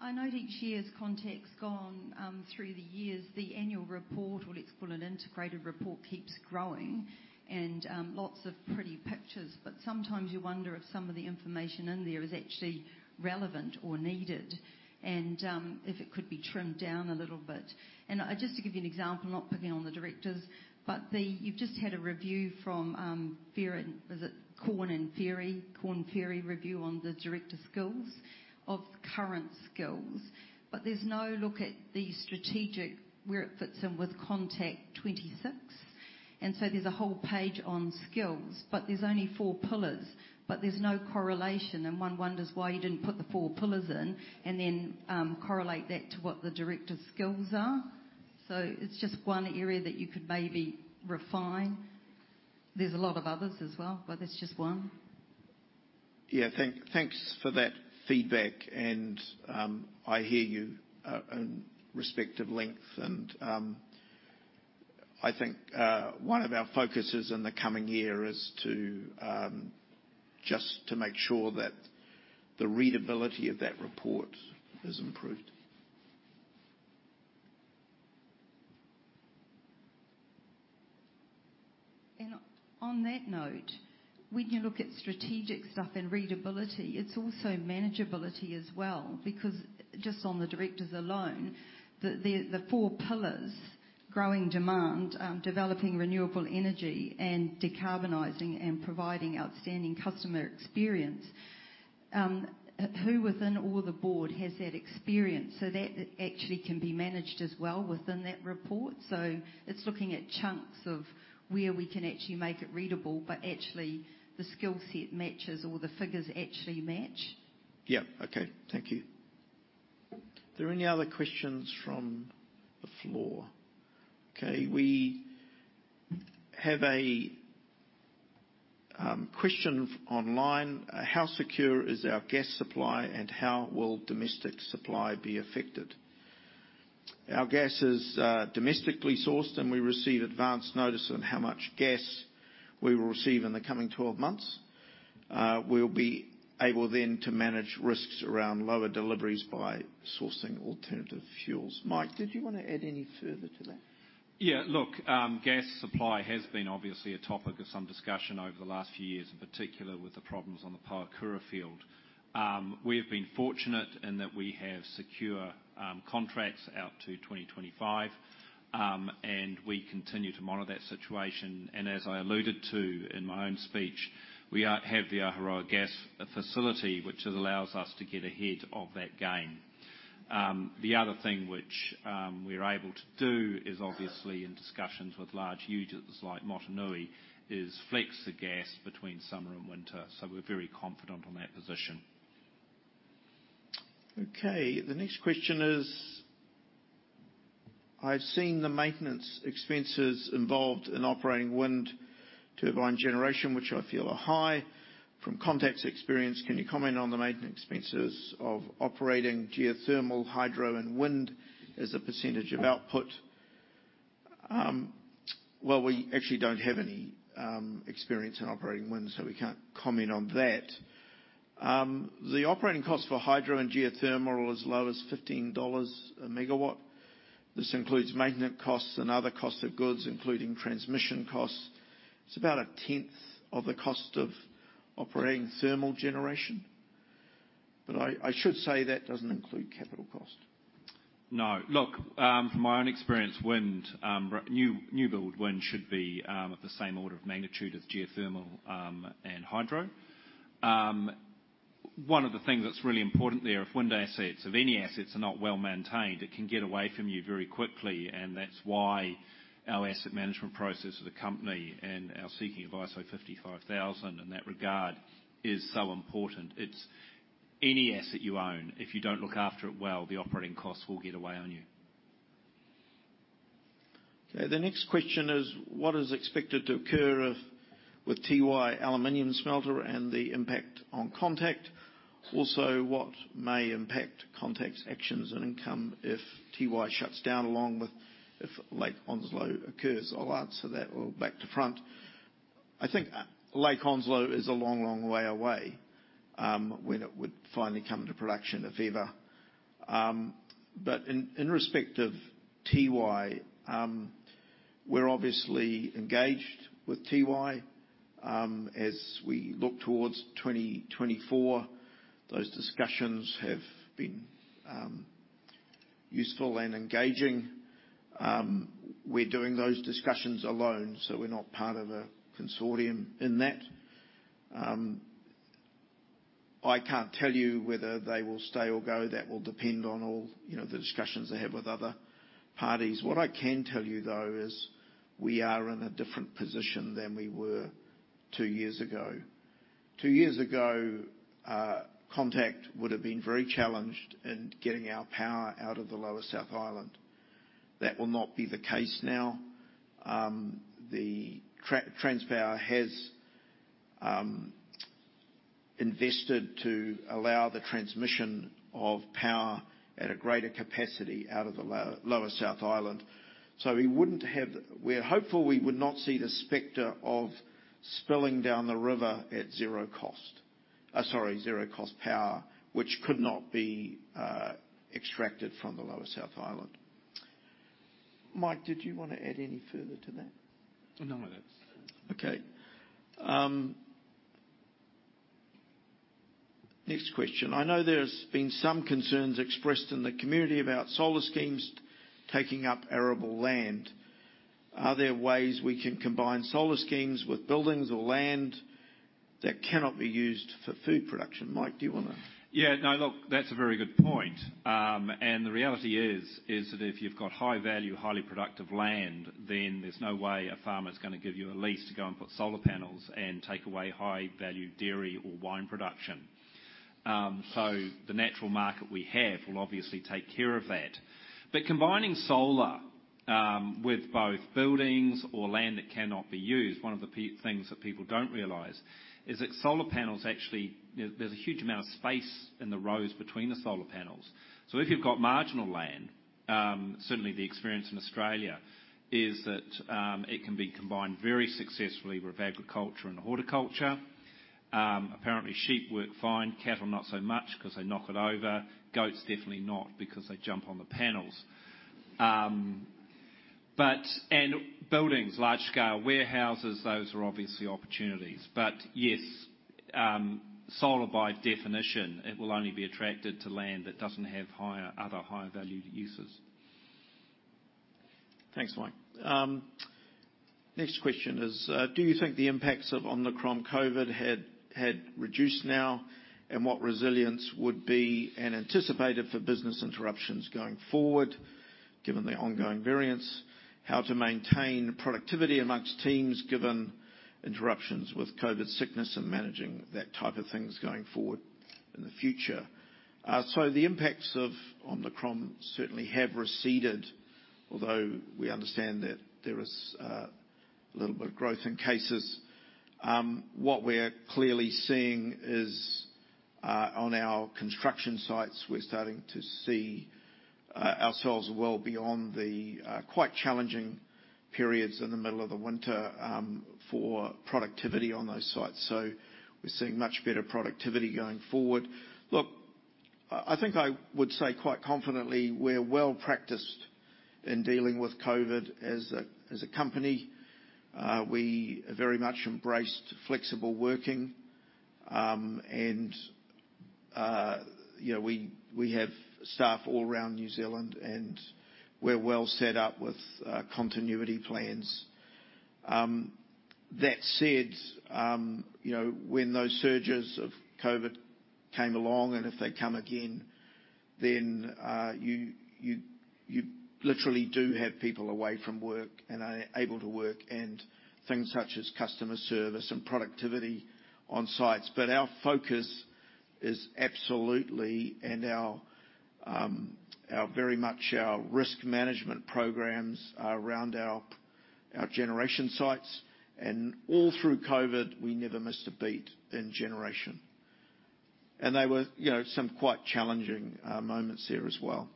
G: I note each year as Contact's gone through the years, the annual report, or let's call it an integrated report, keeps growing and, lots of pretty pictures, but sometimes you wonder if some of the information in there is actually relevant or needed and, if it could be trimmed down a little bit. Just to give you an example, not picking on the directors, but you've just had a review from Korn Ferry. Is it Korn Ferry? Korn Ferry review on the directors' skills of current skills. But there's no look at the strategic, where it fits in with Contact26. There's a whole page on skills, but there's only four pillars, but there's no correlation. One wonders why you didn't put the four pillars in and then, correlate that to what the directors' skills are. It's just one area that you could maybe refine. There's a lot of others as well, but that's just one.
C: Yeah. Thanks for that feedback. I hear you in respect of length and I think one of our focuses in the coming year is to just make sure that the readability of that report is improved.
G: On that note, when you look at strategic stuff and readability, it's also manageability as well, because just on the directors alone, the four pillars, growing demand, developing renewable energy and decarbonizing and providing outstanding customer experience, who within all the board has that experience? That actually can be managed as well within that report. It's looking at chunks of where we can actually make it readable, but actually the skill set matches or the figures actually match.
C: Yeah. Okay. Thank you. There any other questions from the floor? Okay, we have a question online. How secure is our gas supply and how will domestic supply be affected? Our gas is domestically sourced, and we receive advance notice on how much gas we will receive in the coming 12 months. We'll be able then to manage risks around lower deliveries by sourcing alternative fuels. Mike, did you wanna add any further to that?
E: Yeah, look, gas supply has been obviously a topic of some discussion over the last few years, in particular with the problems on the Pohokura field. We have been fortunate in that we have secure contracts out to 2025. We continue to monitor that situation. As I alluded to in my own speech, we have the Ahuroa gas facility, which allows us to get ahead of that game. The other thing which we're able to do is obviously in discussions with large users like Methanex, is flex the gas between summer and winter. We're very confident on that position.
C: Okay. The next question is: I've seen the maintenance expenses involved in operating wind turbine generation, which I feel are high. From Contact's experience, can you comment on the maintenance expenses of operating geothermal, hydro, and wind as a percentage of output? Well, we actually don't have any experience in operating wind, so we can't comment on that. The operating costs for hydro and geothermal are as low as 15 dollars a megawatt. This includes maintenance costs and other cost of goods, including transmission costs. It's about a tenth of the cost of operating thermal generation. I should say that doesn't include capital cost.
E: No. Look, from my own experience, wind new build wind should be of the same order of magnitude as geothermal and hydro. One of the things that's really important there, if any assets are not well-maintained, it can get away from you very quickly, and that's why our asset management process as a company and our seeking of ISO 55000 in that regard is so important. It's any asset you own, if you don't look after it well, the operating costs will get away on you.
C: Okay, the next question is: What is expected to occur with Tiwai Point aluminium smelter and the impact on Contact? Also, what may impact Contact's actions and income if Tiwai shuts down along with if Lake Onslow occurs? I'll answer that all back to front. I think Lake Onslow is a long, long way away when it would finally come to production, if ever. In respect of Tiwai, we're obviously engaged with Tiwai as we look towards 2024. Those discussions have been useful and engaging. We're doing those discussions alone, so we're not part of a consortium in that. I can't tell you whether they will stay or go. That will depend on all, you know, the discussions they have with other parties. What I can tell you, though, is we are in a different position than we were two years ago. Two years ago, Contact would have been very challenged in getting our power out of the lower South Island. That will not be the case now. Transpower has invested to allow the transmission of power at a greater capacity out of the lower South Island. We're hopeful we would not see the specter of spilling down the river at zero cost power, which could not be extracted from the lower South Island. Mike, did you wanna add any further to that?
E: No, that's.
C: Okay. Next question: I know there's been some concerns expressed in the community about solar schemes taking up arable land. Are there ways we can combine solar schemes with buildings or land that cannot be used for food production? Mike, do you wanna?
E: Yeah, no, look, that's a very good point. The reality is that if you've got high value, highly productive land, then there's no way a farmer's gonna give you a lease to go and put solar panels and take away high value dairy or wine production. The natural market we have will obviously take care of that. Combining solar with both buildings or land that cannot be used, one of the things that people don't realize is that solar panels actually, there's a huge amount of space in the rows between the solar panels. If you've got marginal land, certainly the experience in Australia is that it can be combined very successfully with agriculture and horticulture. Apparently sheep work fine, cattle not so much 'cause they knock it over. Goats definitely not because they jump on the panels. Buildings, large scale warehouses, those are obviously opportunities. Yes, solar by definition, it will only be attracted to land that doesn't have higher valued uses.
C: Thanks, Mike. Next question is: Do you think the impacts of Omicron COVID have had reduced now? And what resilience would be and anticipated for business interruptions going forward? Given the ongoing variants, how to maintain productivity among teams, given interruptions with COVID sickness and managing that type of things going forward in the future. The impacts of Omicron certainly have receded. Although we understand that there is a little bit of growth in cases. What we're clearly seeing is on our construction sites, we're starting to see ourselves well beyond the quite challenging periods in the middle of the winter for productivity on those sites. We're seeing much better productivity going forward. Look, I think I would say quite confidently, we're well-practiced in dealing with COVID as a company. We very much embraced flexible working. You know, we have staff all around New Zealand, and we're well set up with continuity plans. That said, you know, when those surges of COVID came along, and if they come again, then you literally do have people away from work and unable to work and things such as customer service and productivity on sites. But our focus is absolutely, and very much our risk management programs around our generation sites, and all through COVID, we never missed a beat in generation. They were you know, some quite challenging moments there as well.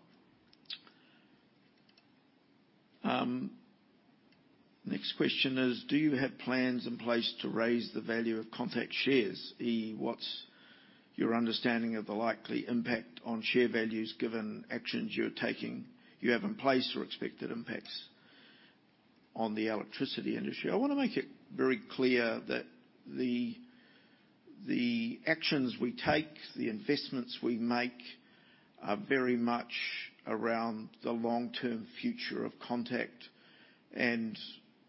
C: Next question is: Do you have plans in place to raise the value of Contact shares? I.e., what's your understanding of the likely impact on share values given actions you're taking, you have in place or expected impacts on the electricity industry? I wanna make it very clear that the actions we take, the investments we make are very much around the long-term future of Contact.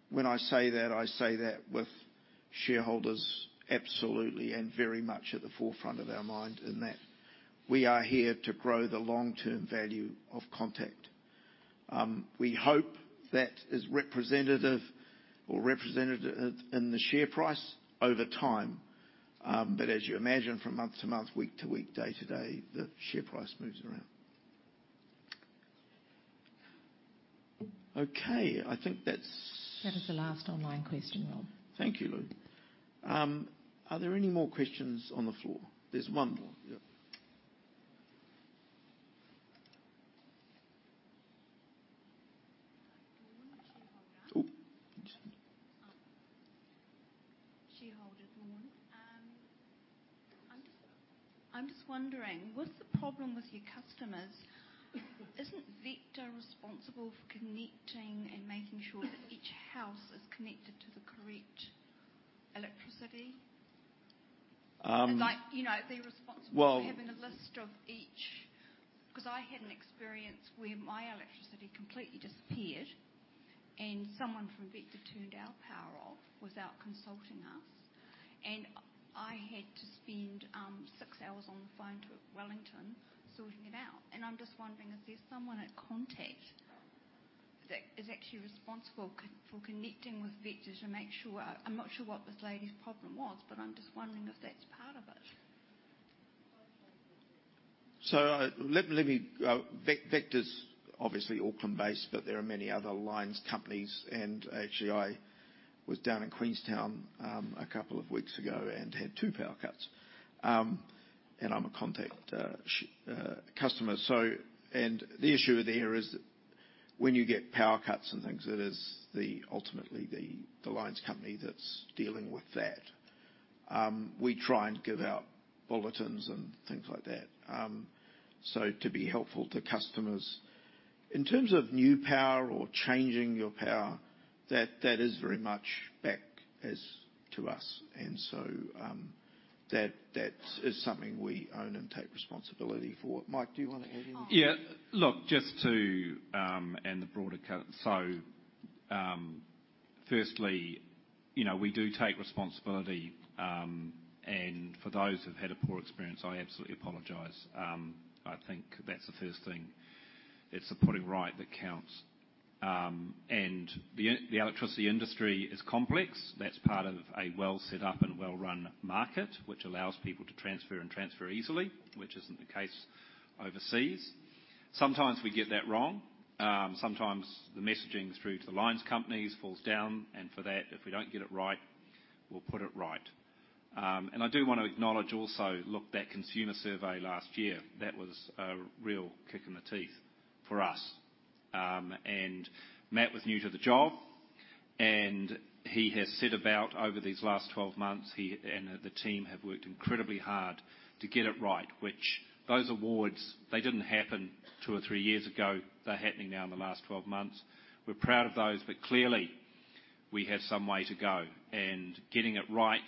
C: When I say that, I say that with shareholders absolutely and very much at the forefront of our mind, in that we are here to grow the long-term value of Contact. We hope that is representative or represented in the share price over time. As you imagine, from month to month, week to week, day to day, the share price moves around. Okay, I think that's.
A: That is the last online question, Rob.
C: Thank you, Ru. Are there any more questions on the floor? There's one more. Yeah. One shareholder.
O: Oh. Shareholder, one. I'm just wondering what's the problem with your customers? Isn't Vector responsible for connecting and making sure that each house is connected to the correct electricity?
C: Um-
O: Like, you know, they're responsible.
C: Well-
O: for having a list of each. 'Cause I had an experience where my electricity completely disappeared, and someone from Vector turned our power off without consulting us. I had to spend six hours on the phone to Wellington sorting it out. I'm just wondering, is there someone at Contact that is actually responsible for connecting with Vector to make sure. I'm not sure what this lady's problem was, but I'm just wondering if that's part of it?
C: Vector's obviously Auckland-based, but there are many other lines companies and actually I was down in Queenstown a couple of weeks ago and had two power cuts. I'm a Contact customer, so the issue there is when you get power cuts and things, it is ultimately the lines company that's dealing with that. We try and give out bulletins and things like that so to be helpful to customers. In terms of new power or changing your power, that is very much up to us. That is something we own and take responsibility for. Mike, do you wanna add anything?
E: Yeah. Look, firstly, you know, we do take responsibility, and for those who've had a poor experience, I absolutely apologize. I think that's the first thing. It's the putting right that counts. The electricity industry is complex. That's part of a well set up and well-run market, which allows people to transfer easily, which isn't the case overseas. Sometimes we get that wrong. Sometimes the messaging through to the lines companies falls down, and for that, if we don't get it right, we'll put it right. I do wanna acknowledge also, look, that consumer survey last year, that was a real kick in the teeth for us. Matt was new to the job, and he has set about over these last 12 months, he and the team have worked incredibly hard to get it right. With those awards, they didn't happen two or three years ago. They're happening now in the last 12 months. We're proud of those, but clearly we have some way to go. Getting it right,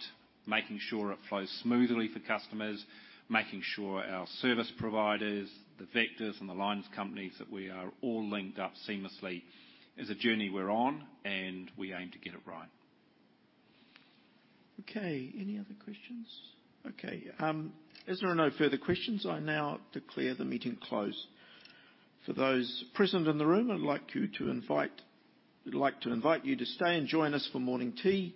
E: making sure it flows smoothly for customers, making sure our service providers, the Vector and the lines companies, that we are all linked up seamlessly, is a journey we're on, and we aim to get it right.
C: Okay. Any other questions? Okay. As there are no further questions, I now declare the meeting closed. For those present in the room, I'd like to invite you to stay and join us for morning tea.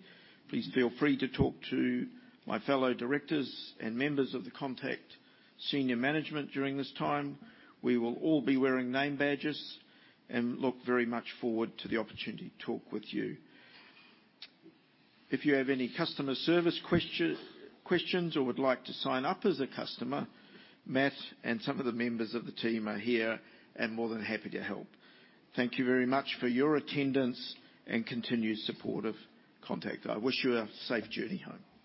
C: Please feel free to talk to my fellow directors and members of the Contact senior management during this time. We will all be wearing name badges and look very much forward to the opportunity to talk with you. If you have any customer service questions or would like to sign up as a customer, Matt and some of the members of the team are here and more than happy to help. Thank you very much for your attendance and continued support of Contact. I wish you a safe journey home.